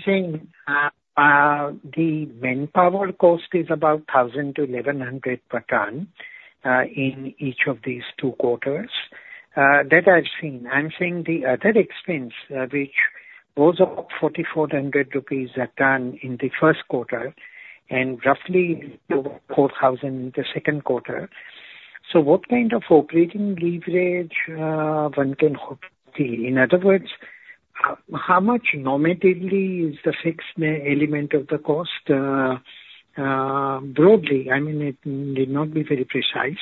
saying the manpower cost is about 1,000-1,100 per ton in each of these two quarters. That I've seen. I'm saying the other expense, which was about 4,400 rupees a ton in the Q1 and roughly 4,000 in the Q2. So what kind of operating leverage one can hope to see? In other words, how much nominally is the fixed element of the cost broadly? I mean, it did not be very precise.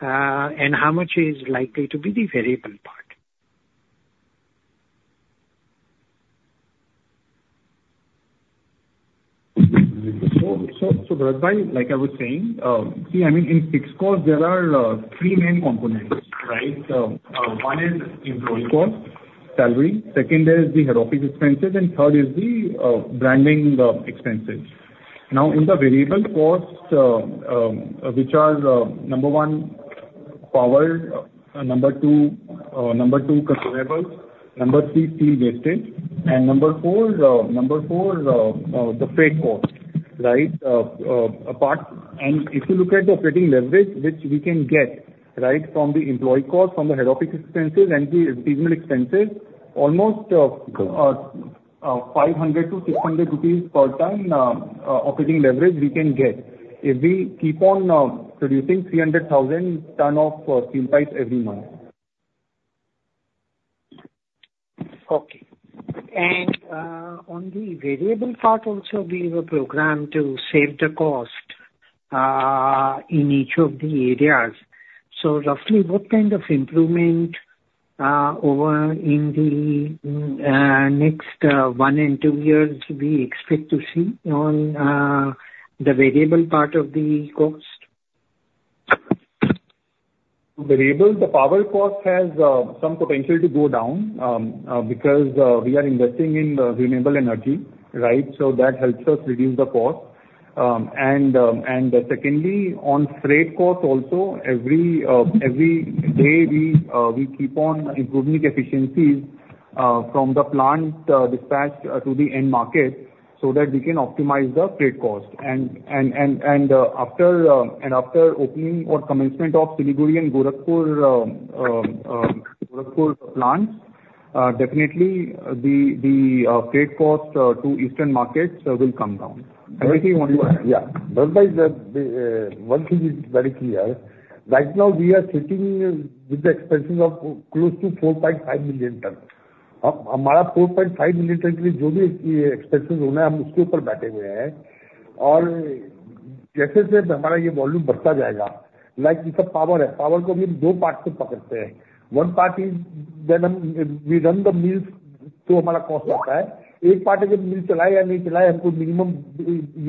And how much is likely to be the variable part? Bharatbhai, like I was saying, see, I mean, in fixed cost, there are three main components, right? One is employee cost, salary. Second is the R&M expenses. And third is the branding expenses. Now in the variable cost, which are number one, power; number two, consumables; number three, steel wastage; and number four, the freight cost, right? And if you look at the operating leverage, which we can get, right, from the employee cost, from the R&M expenses and the seasonal expenses, almost 500-600 rupees per ton operating leverage we can get if we keep on producing 300,000 ton of steel pipes every month. Okay. And on the variable part also, we have a program to save the cost in each of the areas. So roughly, what kind of improvement over in the next one and two years we expect to see on the variable part of the cost? Variable, the power cost has some potential to go down because we are investing in renewable energy, right? So that helps us reduce the cost. And secondly, on freight cost also, every day we keep on improving the efficiencies from the plant dispatched to the end market so that we can optimize the freight cost. And after opening or commencement of Siliguri and Gorakhpur plants, definitely the freight cost to eastern markets will come down. Everything you want to ask. Yeah. Bharatbhai, one thing is very clear. Right now, we are sitting with the expenses of close to 4,500,000 ton. हमारा 4,500,000 ton के लिए जो भी expenses होना है, हम उसके ऊपर बैठे हुए हैं। और जैसे-जैसे हमारा ये volume बढ़ता जाएगा, like ये सब power है, power को भी हम दो parts से पकड़ते हैं। One part is when we run the mills, तो हमारा cost आता है। एक part है जब mill चलाए या नहीं चलाए, हमको minimum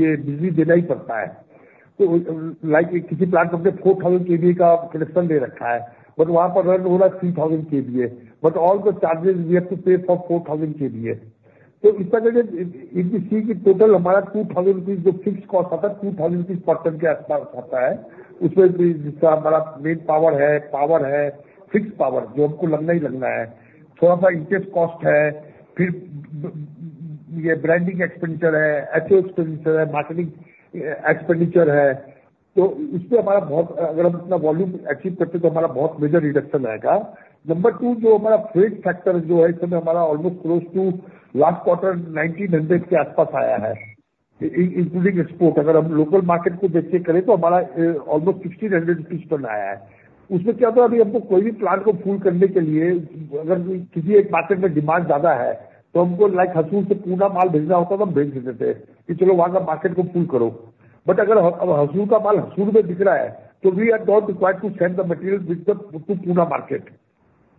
ये बिजली देना ही पड़ता है। तो like किसी plant में हमने 4,000 kVA का connection दे रखा है, but वहां पर run हो रहा है 3,000 kVA। But all the charges we have to pay for 4,000 kVA। So if you see कि total हमारा INR 2,000 जो fixed cost आता है, INR 2,000 per ton के आसपास आता है, उसमें जिसका हमारा main power है, power है, fixed power जो हमको लगना ही लगना है, थोड़ा सा interest cost है, फिर ये branding expenditure है, S&D expenditure है, marketing expenditure है। तो उसमें हमारा बहुत अगर हम इतना volume achieve करते हैं, तो हमारा बहुत major reduction आएगा। Number two, जो हमारा freight factor जो है, इस समय हमारा almost close to last quarter INR 1,900 के आसपास आया है, including export। अगर हम local market को देख के करें, तो हमारा almost INR 1,600 ton आया है। उसमें क्या होता है, अभी हमको कोई भी plant को full करने के लिए, अगर किसी एक market में demand ज्यादा है, तो हमको like Hosur से Pune माल भेजना होता, तो हम भेज देते थे कि चलो वहां का market को full करो। But अगर Hosur का माल Hosur में बिक रहा है, तो we are not required to send the material with the to Pune market।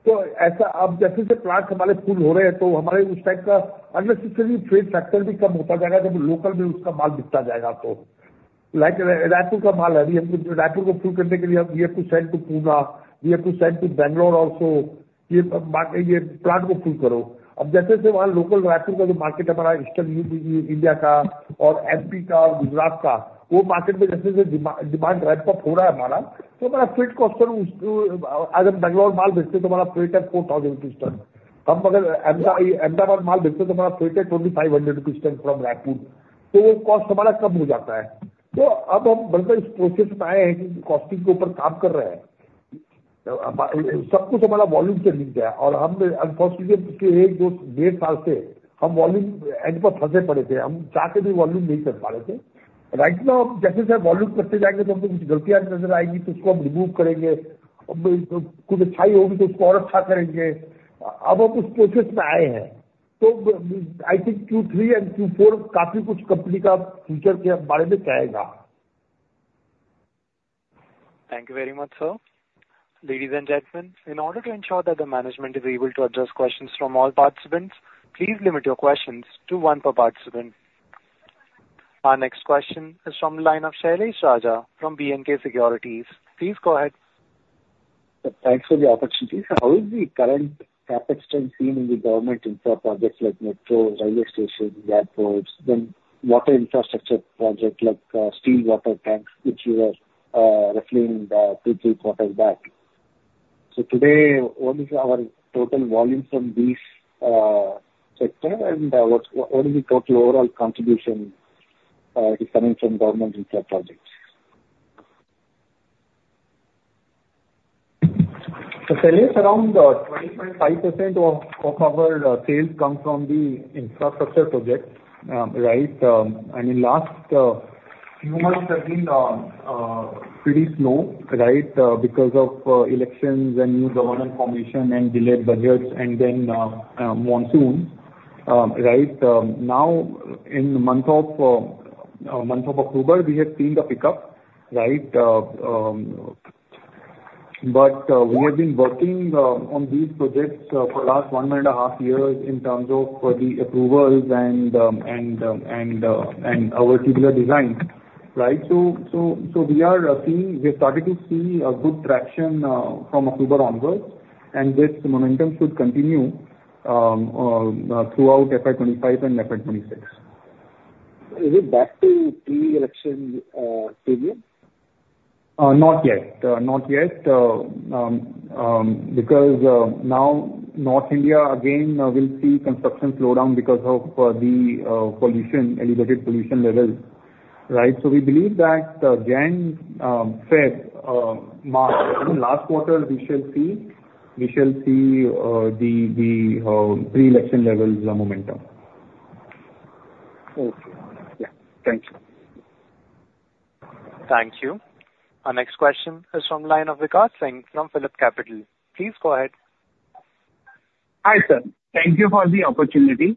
तो ऐसा अब जैसे-जैसे plants हमारे full हो रहे हैं, तो हमारे उस type का unnecessary freight factor भी कम होता जाएगा जब local में उसका माल बिकता जाएगा। तोlike Raipur का माल है, अभी हमको Raipur को full करने के लिए हम we have to send to Pune, we have to send to Bangalore also, ये plant को full करो। अब जैसे-जैसे वहां local Raipur का जो market है, हमारा eastern India का और MP का और Gujarat का, वो market में जैसे-जैसे demand ramp-up हो रहा है हमारा, तो हमारा freight cost as हम Bangalore माल भेजते हैं, तो हमारा freight है INR 4,000 ton। हम अगर Ahmedabad माल भेजते हैं, तो हमारा freight है INR 2,500 ton from Raipur । तो वो cost हमारा कम हो जाता है। तो अब हम इस process में आए हैं कि costing के ऊपर काम कर रहे हैं। सब कुछ हमारा volume से linked है और हम unfortunately पिछले एक दो डेढ़ साल से हम volume end पर फंसे पड़े थे। हम चाह के भी volume नहीं कर पा रहे थे। Right now, जैसे-जैसे volume करते जाएंगे, तो हमको कुछ गलतियां नजर आएंगी, तो उसको हम remove करेंगे। अब कुछ अच्छाई होगी, तो उसको और अच्छा करेंगे। अब हम उस process में आए हैं। तो I think Q3 and Q4 काफी कुछ company का future के बारे में कहेगा। Thank you very much, sir. Ladies and gentlemen, in order to ensure that the management is able to address questions from all participants, please limit your questions to one per participant. Our next question is from the line of Sailesh Raja from B&K Securities. Please go ahead. Thanks for the opportunity. How is the current CapEx trend seen in the government infra projects like metro, railway stations, airports, then water infrastructure projects like steel water tanks, which you were reflecting two or three quarters back? So today, what is our total volume from these sectors and what is the total overall contribution coming from government infra projects? Sailesh, around 25% of our sales come from the infrastructure projects, right? I mean, last few months have been pretty slow, right, because of elections and new government formation and delayed budgets and then monsoons, right? Now, in the month of October, we have seen the pickup, right? But we have been working on these projects for the last one and a half years in terms of the approvals and our particular design, right? So we are seeing we have started to see a good traction from October onwards, and this momentum should continue throughout FY25 and FY26. Is it back to pre-election period? Not yet. Not yet. Because now North India again will see construction slowdown because of the pollution, elevated pollution levels, right? So we believe that January-February mark, I mean, last quarter, we shall see the pre-election levels' momentum. Okay. Yeah. Thank you. Thank you. Our next question is from the line of Vikash Singh from PhillipCapital. Please go ahead. Hi, sir. Thank you for the opportunity.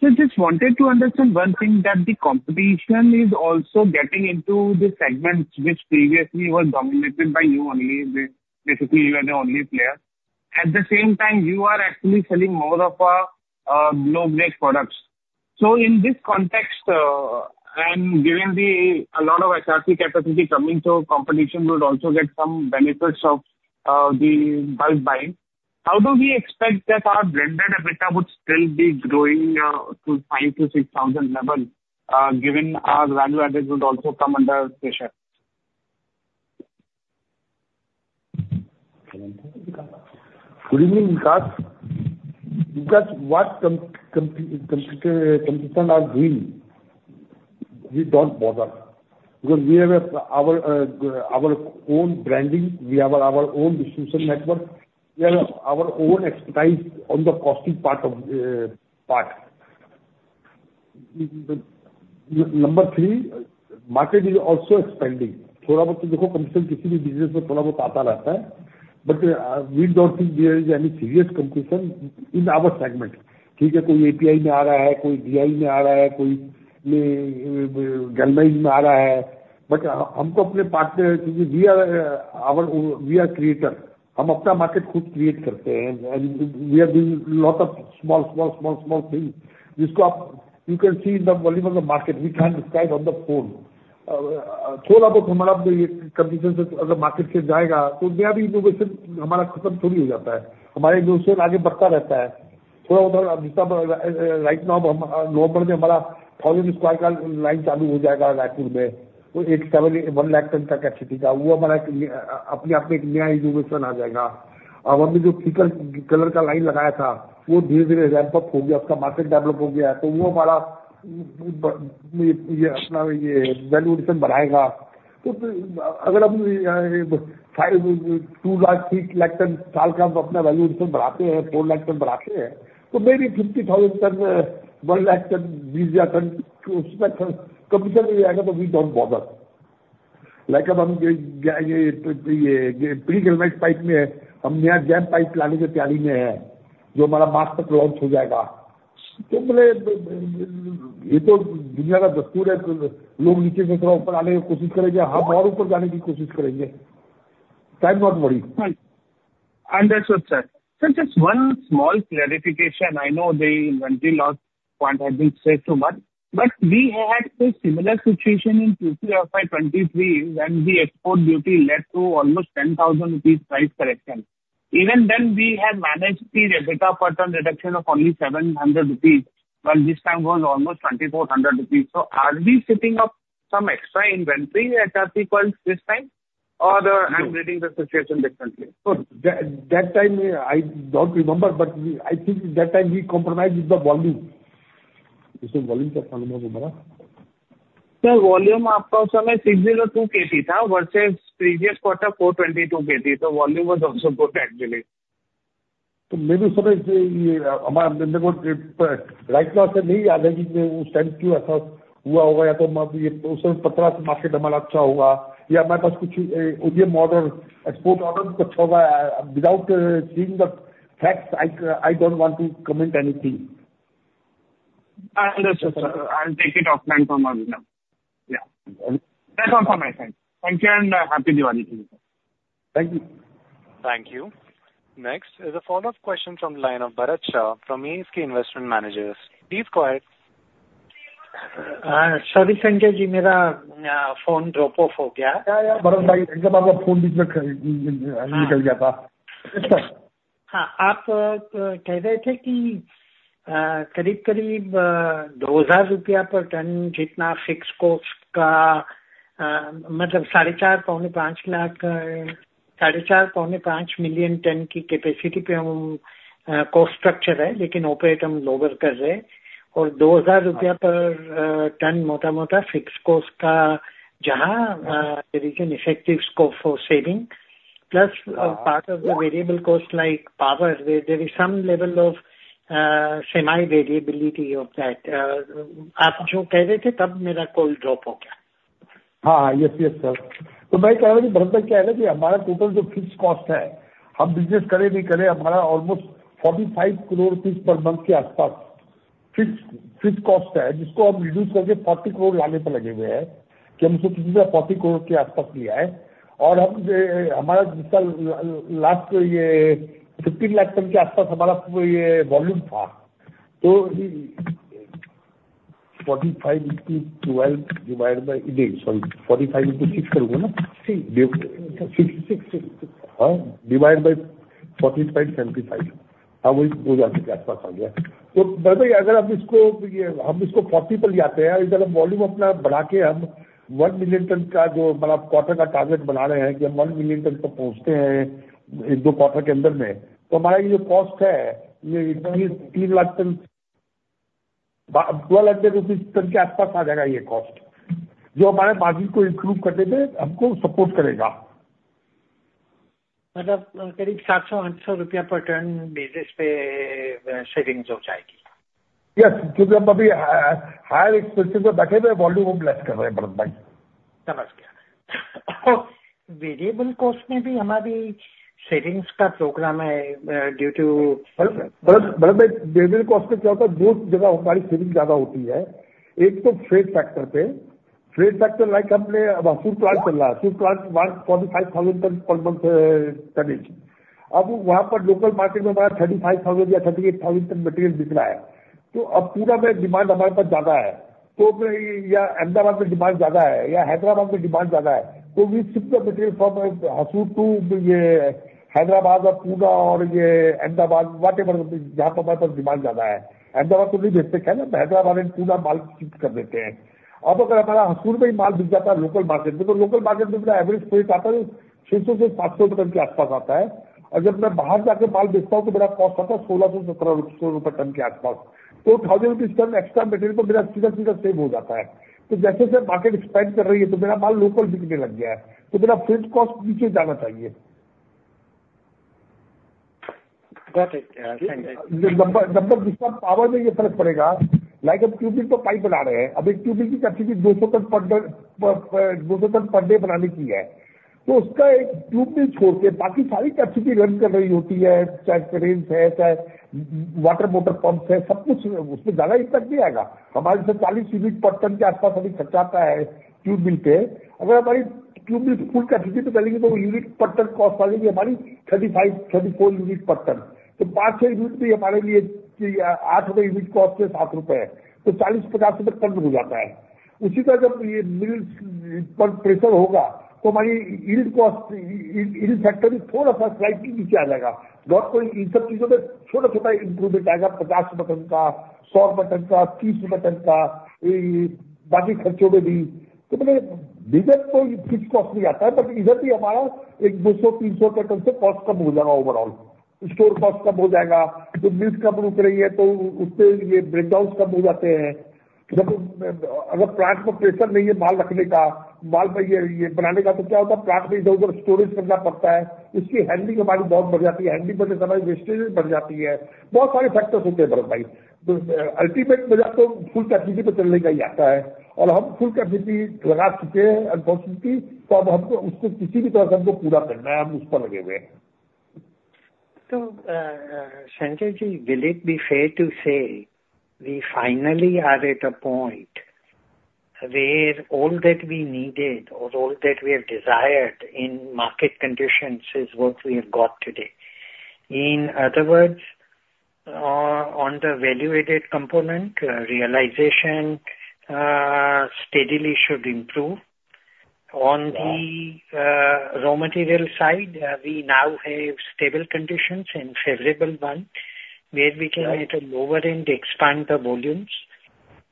Just wanted to understand one thing, that the competition is also getting into the segments which previously were dominated by you only, basically you are the only player. At the same time, you are actually selling more of our low-grade products. In this context, and given a lot of HRC capacity coming, competition would also get some benefits of the bulk buying. How do we expect that our blended EBITDA would still be growing to 5,000-6,000 level, given our value added would also come under pressure? Good evening, Vikas. Vikas, what competition are we? We don't bother. Because we have our own branding, we have our own distribution network, we have our own expertise on the costing part. Number three, market is also expanding. थोड़ा बहुत तो देखो, competition किसी भी business में थोड़ा बहुत आता रहता है। But we don't think there is any serious competition in our segment. ठीक है, कोई API में आ रहा है, कोई DI में आ रहा है, कोई Galvalume में आ रहा है। But हमको अपने पार्टनर, we are creator. हम अपना मार्केट खुद क्रिएट करते हैं, and we are doing a lot of small, small, small, small things. जिसको आप, you can see in the volume of the market, we can't describe on the phone. थोड़ा बहुत हमारा competition अगर market से जाएगा, तो नया भी innovation हमारा खत्म थोड़ी हो जाता है। हमारा innovation आगे बढ़ता रहता है। थोड़ा बहुत अभी, right now, November में हमारा 1,000 square का line चालू हो जाएगा Raipur में। वो एक 70, 1 लाख ton का capacity का, वो हमारा अपने आप में एक नया innovation आ जाएगा। अब हमने जो pre-color का line लगाया था, वो धीरे-धीरे ramp-up हो गया, उसका market develop हो गया है। तो वो हमारा ये अपना ये valuation बढ़ाएगा। तो अगर हम 2 लाख, 3 लाख ton साल का अपना valuation बढ़ाते हैं, 4 लाख ton बढ़ाते हैं, तो maybe 50,000 ton, 1 lakh ton, 20,000 ton, उसमें competition नहीं आएगा, तो we don't bother. Like, ab hum ye pre-galvanized pipe mein hai, hum naya ZAM pipe lane ki taiyari mein hain, jo hamara March tak launch ho jayega. To bole, ye to duniya ka dastur hai, log neeche se thoda upar aane ki koshish karenge, hum aur upar jane ki koshish karenge. So, I am not worried. Understood, sir. Sir, just one small clarification. I know the range low point has been said too much. But we had a similar situation in Q3 of FY23 when the export duty led to almost 10,000 rupees price correction. Even then, we have managed the EBITDA per ton reduction of only 700 rupees, while this time was almost 2,400 rupees. So are we sitting on some extra inventory HR coil stocks this time, or I'm reading the situation differently? So that time, I don't remember, but I think that time we compromised with the volume. इसमें volume का फायदा हुआ हमारा? aapka us samay 602 KT tha versus previous quarter 422 KT, to volume was also good actually. Toh main bhi sir, ye hamara right now sir nahi yaad hai ki wo stand kyun aisa hua hoga. Ya to us samay Patra market hamara accha hoga ya hamare paas kuch India-Middle East export order kuch accha hoga. Without seeing the facts, I don't want to comment anything. Understood, sir. I'll take it offline from our view now. Yeah. That's all from my side. Thank you and Happy Diwali. Thank you. Thank you. Next is a follow-up question from the line of Bharat Shah from ASK Investment Managers. Please go ahead. Sorry Sanjay ji, mera phone drop off ho gaya. Kya yaar, Bharat bhai, ekdum aapka phone beech mein nikal gaya tha. Achha, haan, aap keh rahe the ki kareeb-kareeb INR 2,000 per ton jitna fixed cost ka, matlab 450-550 lakh, 450-550 million ton ki capacity pe hum cost structure hai, lekin operate hum lower kar rahe hain. Aur INR 2,000 per ton mota-mota fixed cost ka, jahaan there is an effective scope for saving, plus part of the variable cost like power, there is some level of semi variability of that. Aap jo keh rahe the, tab mera call drop ho gaya. हां, yes, yes, sir. तो मैं कह रहा हूं कि भरत भाई, क्या है ना कि हमारा total जो fixed cost है, हम business करें नहीं करें, हमारा almost INR 45 crore per month के आसपास fixed cost है, जिसको हम reduce करके INR 40 crore लाने पर लगे हुए हैं कि हम उसे किसी तरह INR 40 crore के आसपास ले आएं। और हमारा जिसका last ये 15 लाख ton के आसपास हमारा ये volume था, तो 45, 6 करूंगा ना, 6, 6, 6, divide by 45, 75, हां, वही 2000 के आसपास आ गया। तो भरत भाई, अगर हम इसको, ये हम इसको 40 पर ले आते हैं, और इधर हम volume अपना बढ़ा के, हम 1 million ton का जो हमारा quarter का target बना रहे हैं कि हम 1 million ton पर पहुंचते हैं, एक दो quarter के अंदर में, तो हमारा ये जो cost है, ये 3 lakh ton, INR 1,200 per ton के आसपास आ जाएगा। ये cost जो हमारे margin को improve करने में हमको support करेगा। मतलब करीब INR 700-INR 800 पर टन बेसिस पे सेविंग्स हो जाएगी। Yes, because we are currently sitting with higher expenses, we are doing less volume, Bharat Bhai. Samajh gaya. Aur variable cost mein bhi hamari savings ka program hai, due to. Bharat Bhai, variable cost mein kya hota hai, do jagah hamari saving zyada hoti hai. Ek to freight factor pe, freight factor like humne Hosur plant chal raha hai, Hosur plant 45,000 ton par month ka range. Ab wahan par local market mein hamara 35,000 or 38,000 ton material bik raha hai. To ab poora mein demand hamare paas zyada hai. To ya Ahmedabad mein demand zyada hai, ya Hyderabad mein demand zyada hai. To we ship the material from Hosur to ye Hyderabad aur Pune aur ye Ahmedabad, whatever, jahan par hamare paas demand zyada hai. Ahmedabad to nahi bhejte, Hyderabad end Pune maal shift kar dete hain. Ab agar hamara Hosur mein hi maal bik jata hai local market mein, to local market mein mera average freight aata hai 600-700 ton ke aaspaas aata hai. Aur jab main bahar jaake maal bechta hoon, to mera cost aata hai INR 1,617 ton ke aaspaas. To INR 1,000 ton extra material to mera sidha-sidha save ho jata hai. To jaise-jaise market expand kar rahi hai, to mera maal local bikne lag gaya hai. To mera freight cost neeche jana chahiye. Got it. Thank you. Number, number, जिसका power में ये फर्क पड़ेगा। Like हम tubing पर pipe बना रहे हैं। अब एक ट्यूबिंग की capacity 200 ton per, 200 ton per day बनाने की है। तो उसका एक ट्यूब मिल छोड़ के बाकी सारी capacity run कर रही होती है, चाहे crane है, चाहे water motor pumps है, सब कुछ उसमें ज्यादा impact नहीं आएगा। हमारे से 40 unit per ton के आसपास अभी खर्चा आता है ट्यूब मिल पर। अगर हमारी ट्यूब मिल full capacity पर चलेंगी, तो unit per ton cost आ जाएगी हमारी 35, 34 unit per ton। तो 5-6 unit भी हमारे लिए INR 8 unit cost से INR 7, तो INR 40-INR 50 turn हो जाता है। उसी तरह जब ये middle पर pressure होगा, तो हमारी yield cost, yield factor भी थोड़ा सा slightly नीचे आ जाएगा। नहीं कोई इन सब चीजों में छोटा-छोटा improvement आएगा, INR 50 टन का, INR 100 टन का, INR 30 टन का, ये बाकी खर्चों में भी। तो मतलब इधर कोई fixed cost नहीं आता है, but इधर भी हमारा एक INR 200-INR 300 टन से cost कम हो जाएगा। Overall store cost कम हो जाएगा। जो mills कम रुक रही है, तो उससे ये breakdown कम हो जाते हैं। जब अगर plant में pressure नहीं है माल रखने का, माल बनाने का, तो क्या होता है? प्लांट में इधर-उधर स्टोरेज करना पड़ता है। उसकी हैंडलिंग हमारी बहुत बढ़ जाती है। हैंडलिंग बढ़ने से हमारी वेस्टेज बढ़ जाती है। बहुत सारे फैक्टर्स होते हैं, भरत भाई। अल्टीमेट में तो फुल कैपेसिटी पे चलने का ही आता है। और हम फुल कैपेसिटी लगा चुके हैं, अनफॉर्चूनेटली। तो अब हमको उसको किसी भी तरह से हमको पूरा करना है, हम उस पर लगे हुए हैं। Sanjay ji, will it be fair to say, we finally are at a point where all that we needed and all that we have desired in market conditions is what we have got today. In other words, on the value added component, realization steadily should improve. On the raw material side, we now have stable conditions and favorable one where we can at a lower end expand the volumes.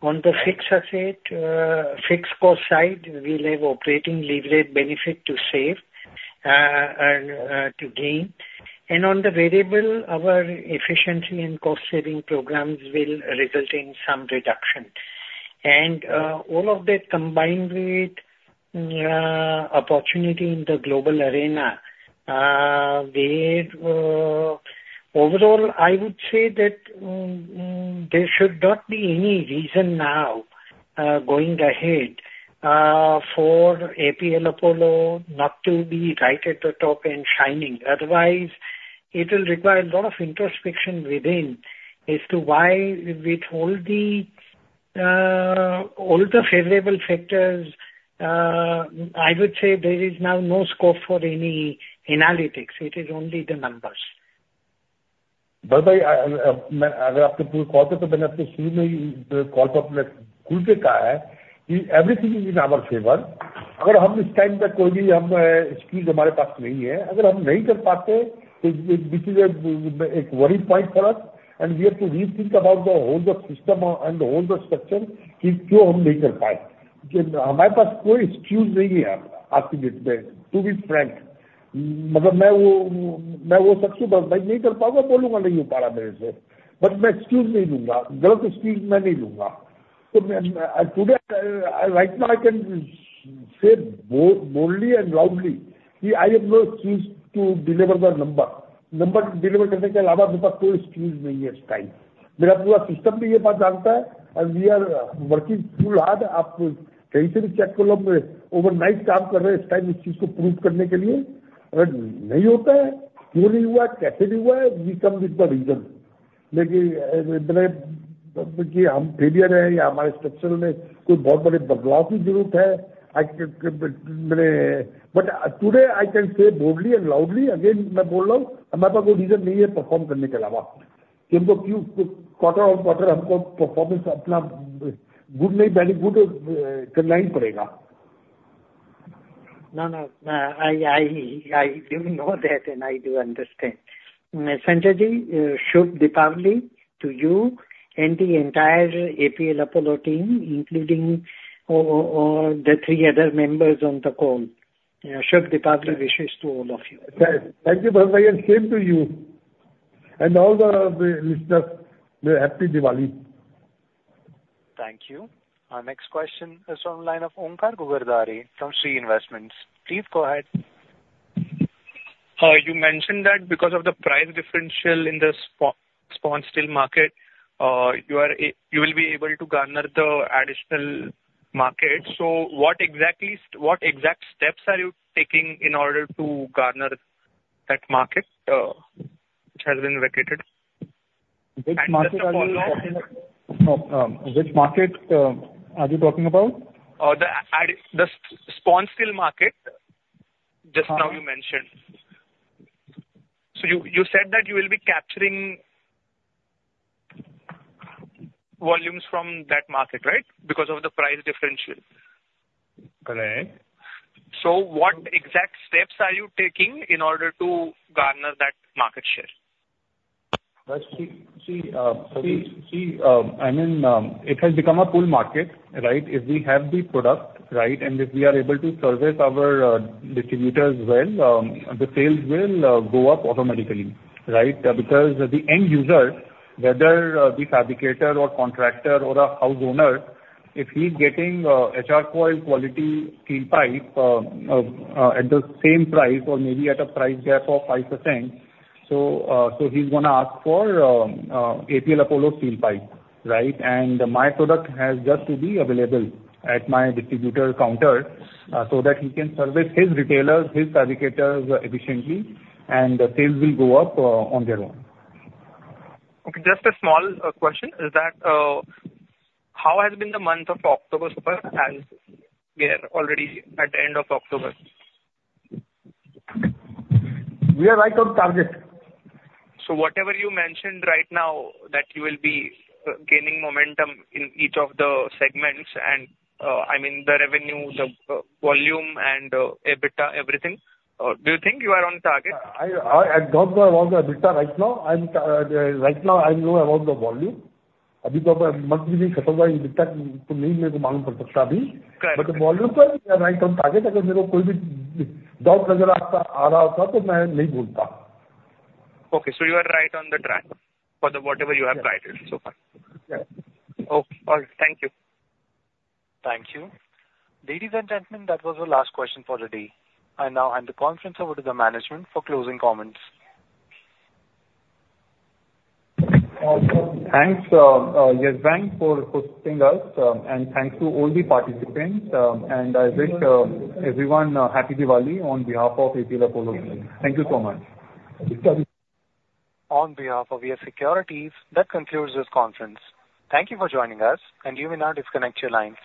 On the fixed asset, fixed cost side, we will have operating leverage benefit to save and to gain. And on the variable, our efficiency and cost saving programs will result in some reduction. And all of that combine with opportunity in the global arena, where overall I would say that there should not be any reason now going ahead for APL Apollo not to be right at the top and shining. Otherwise, it will require lot of introspection within us to why with all the all the favorable factors, I would say there is now no scope for any analytics. It is only the numbers. Bharat Bhai, main agar aapke poore call pe, to maine aapke sheet mein call pe khul ke kaha hai ki everything is in our favor. Agar hum is time pe koi bhi hum excuse hamare paas nahi hai, agar hum nahi kar paate, to this is a very point for us. We have to rethink about the whole the system and whole the structure ki kyun hum nahi kar paaye. Hamare paas koi excuse nahi hai aaj ki date mein. To be frank, matlab main woh, main woh shakhs hoon, Bharat Bhai, nahi kar paaunga, bolunga nahi ho pa raha mere se. Main excuse nahi loonga, galat excuse main nahi loonga. Main today, right now, I can say boldly and loudly ki I have no excuse to deliver the number. Number deliver karne ke alawa mere paas koi excuse nahi hai is time. Mera poora system bhi yeh baat jaanta hai. We are working full hard. Aap kahin se bhi check kar lo, overnight kaam kar rahe hain is time is cheez ko proof karne ke liye. Agar nahi hota hai, kyun nahi hua hai, kaise nahi hua hai, we come with the reason. Main ki hum failure hain ya hamare structure mein koi bahut bade badlaav ki zaroorat hai. Today, I can say boldly and loudly, again main bol raha hoon, hamare paas koi reason nahi hai perform karne ke alawa ki humko quarter-on-quarter hamko performance apna good nahi, very good karna hi padega. No, no, I do know that and I do understand. Sanjay ji, Shubh Diwali to you and the entire APL Apollo team, including the three other members on the call. Shubh Diwali wishes to all of you. Thank you, Bharat Bhai, and same to you. And all the Misters, Happy Diwali. Thank you. Next question is from the line of Onkar Ghugardare from Shree Investments. Please go ahead. You mention that because of the price differential in the sponge steel market, you are, you will be able to garner the additional market. So what exactly, what exact steps are you taking in order to garner that market, which has been vacated? Which market are you talking about? Which market are you talking about? The sponge steel market, just now you mention. So you said that you will be capturing volumes from that market, right? Because of the price differential. Correct. So what exact steps are you taking in order to garner that market share? I mean, it has become a pull market, right? If we have the product, right, and if we are able to service our distributors well, the sales will go up automatically, right? Because the end user, whether the fabricator or contractor or a house owner, if he is getting HR coil quality steel pipe at the same price and maybe at a price gap of 5%, so, so he is gonna ask for APL Apollo steel pipe, right? And my product has just to be available at my distributor counter, so that he can service his retailers, his fabricators efficiently, and the sales will go up on their own. Okay, just a small question is that, how has been the month of October so far, as we are already at the end of October? We are right on target. So whatever you mention right now, that you will be gaining momentum in each of the segments, and I mean the revenue, the volume, and EBITDA, everything, do you think you are on target? I am not about the EBITDA right now. I am right now, I am now about the volume, because monthly bhi khatam hua, EBITDA to nahi mere ko maloom pad sakta abhi. But volume par, we are right on target. Agar mere ko koi bhi doubt nazar aa raha hota, to main nahi bolta. Okay, so you are right on the track for the whatever you have rated so far. Okay, all. Thank you. Thank you. Ladies and gentlemen, that was the last question for the day. I now hand the conference over to the management for closing comments. Thanks, YES Bank for hosting us, and thanks to all the participants, and I wish everyone Happy Diwali on behalf of APL Apollo. Thank you so much. On behalf of YES SECURITIES, that concludes this conference. Thank you for joining us, and you may now disconnect your lines.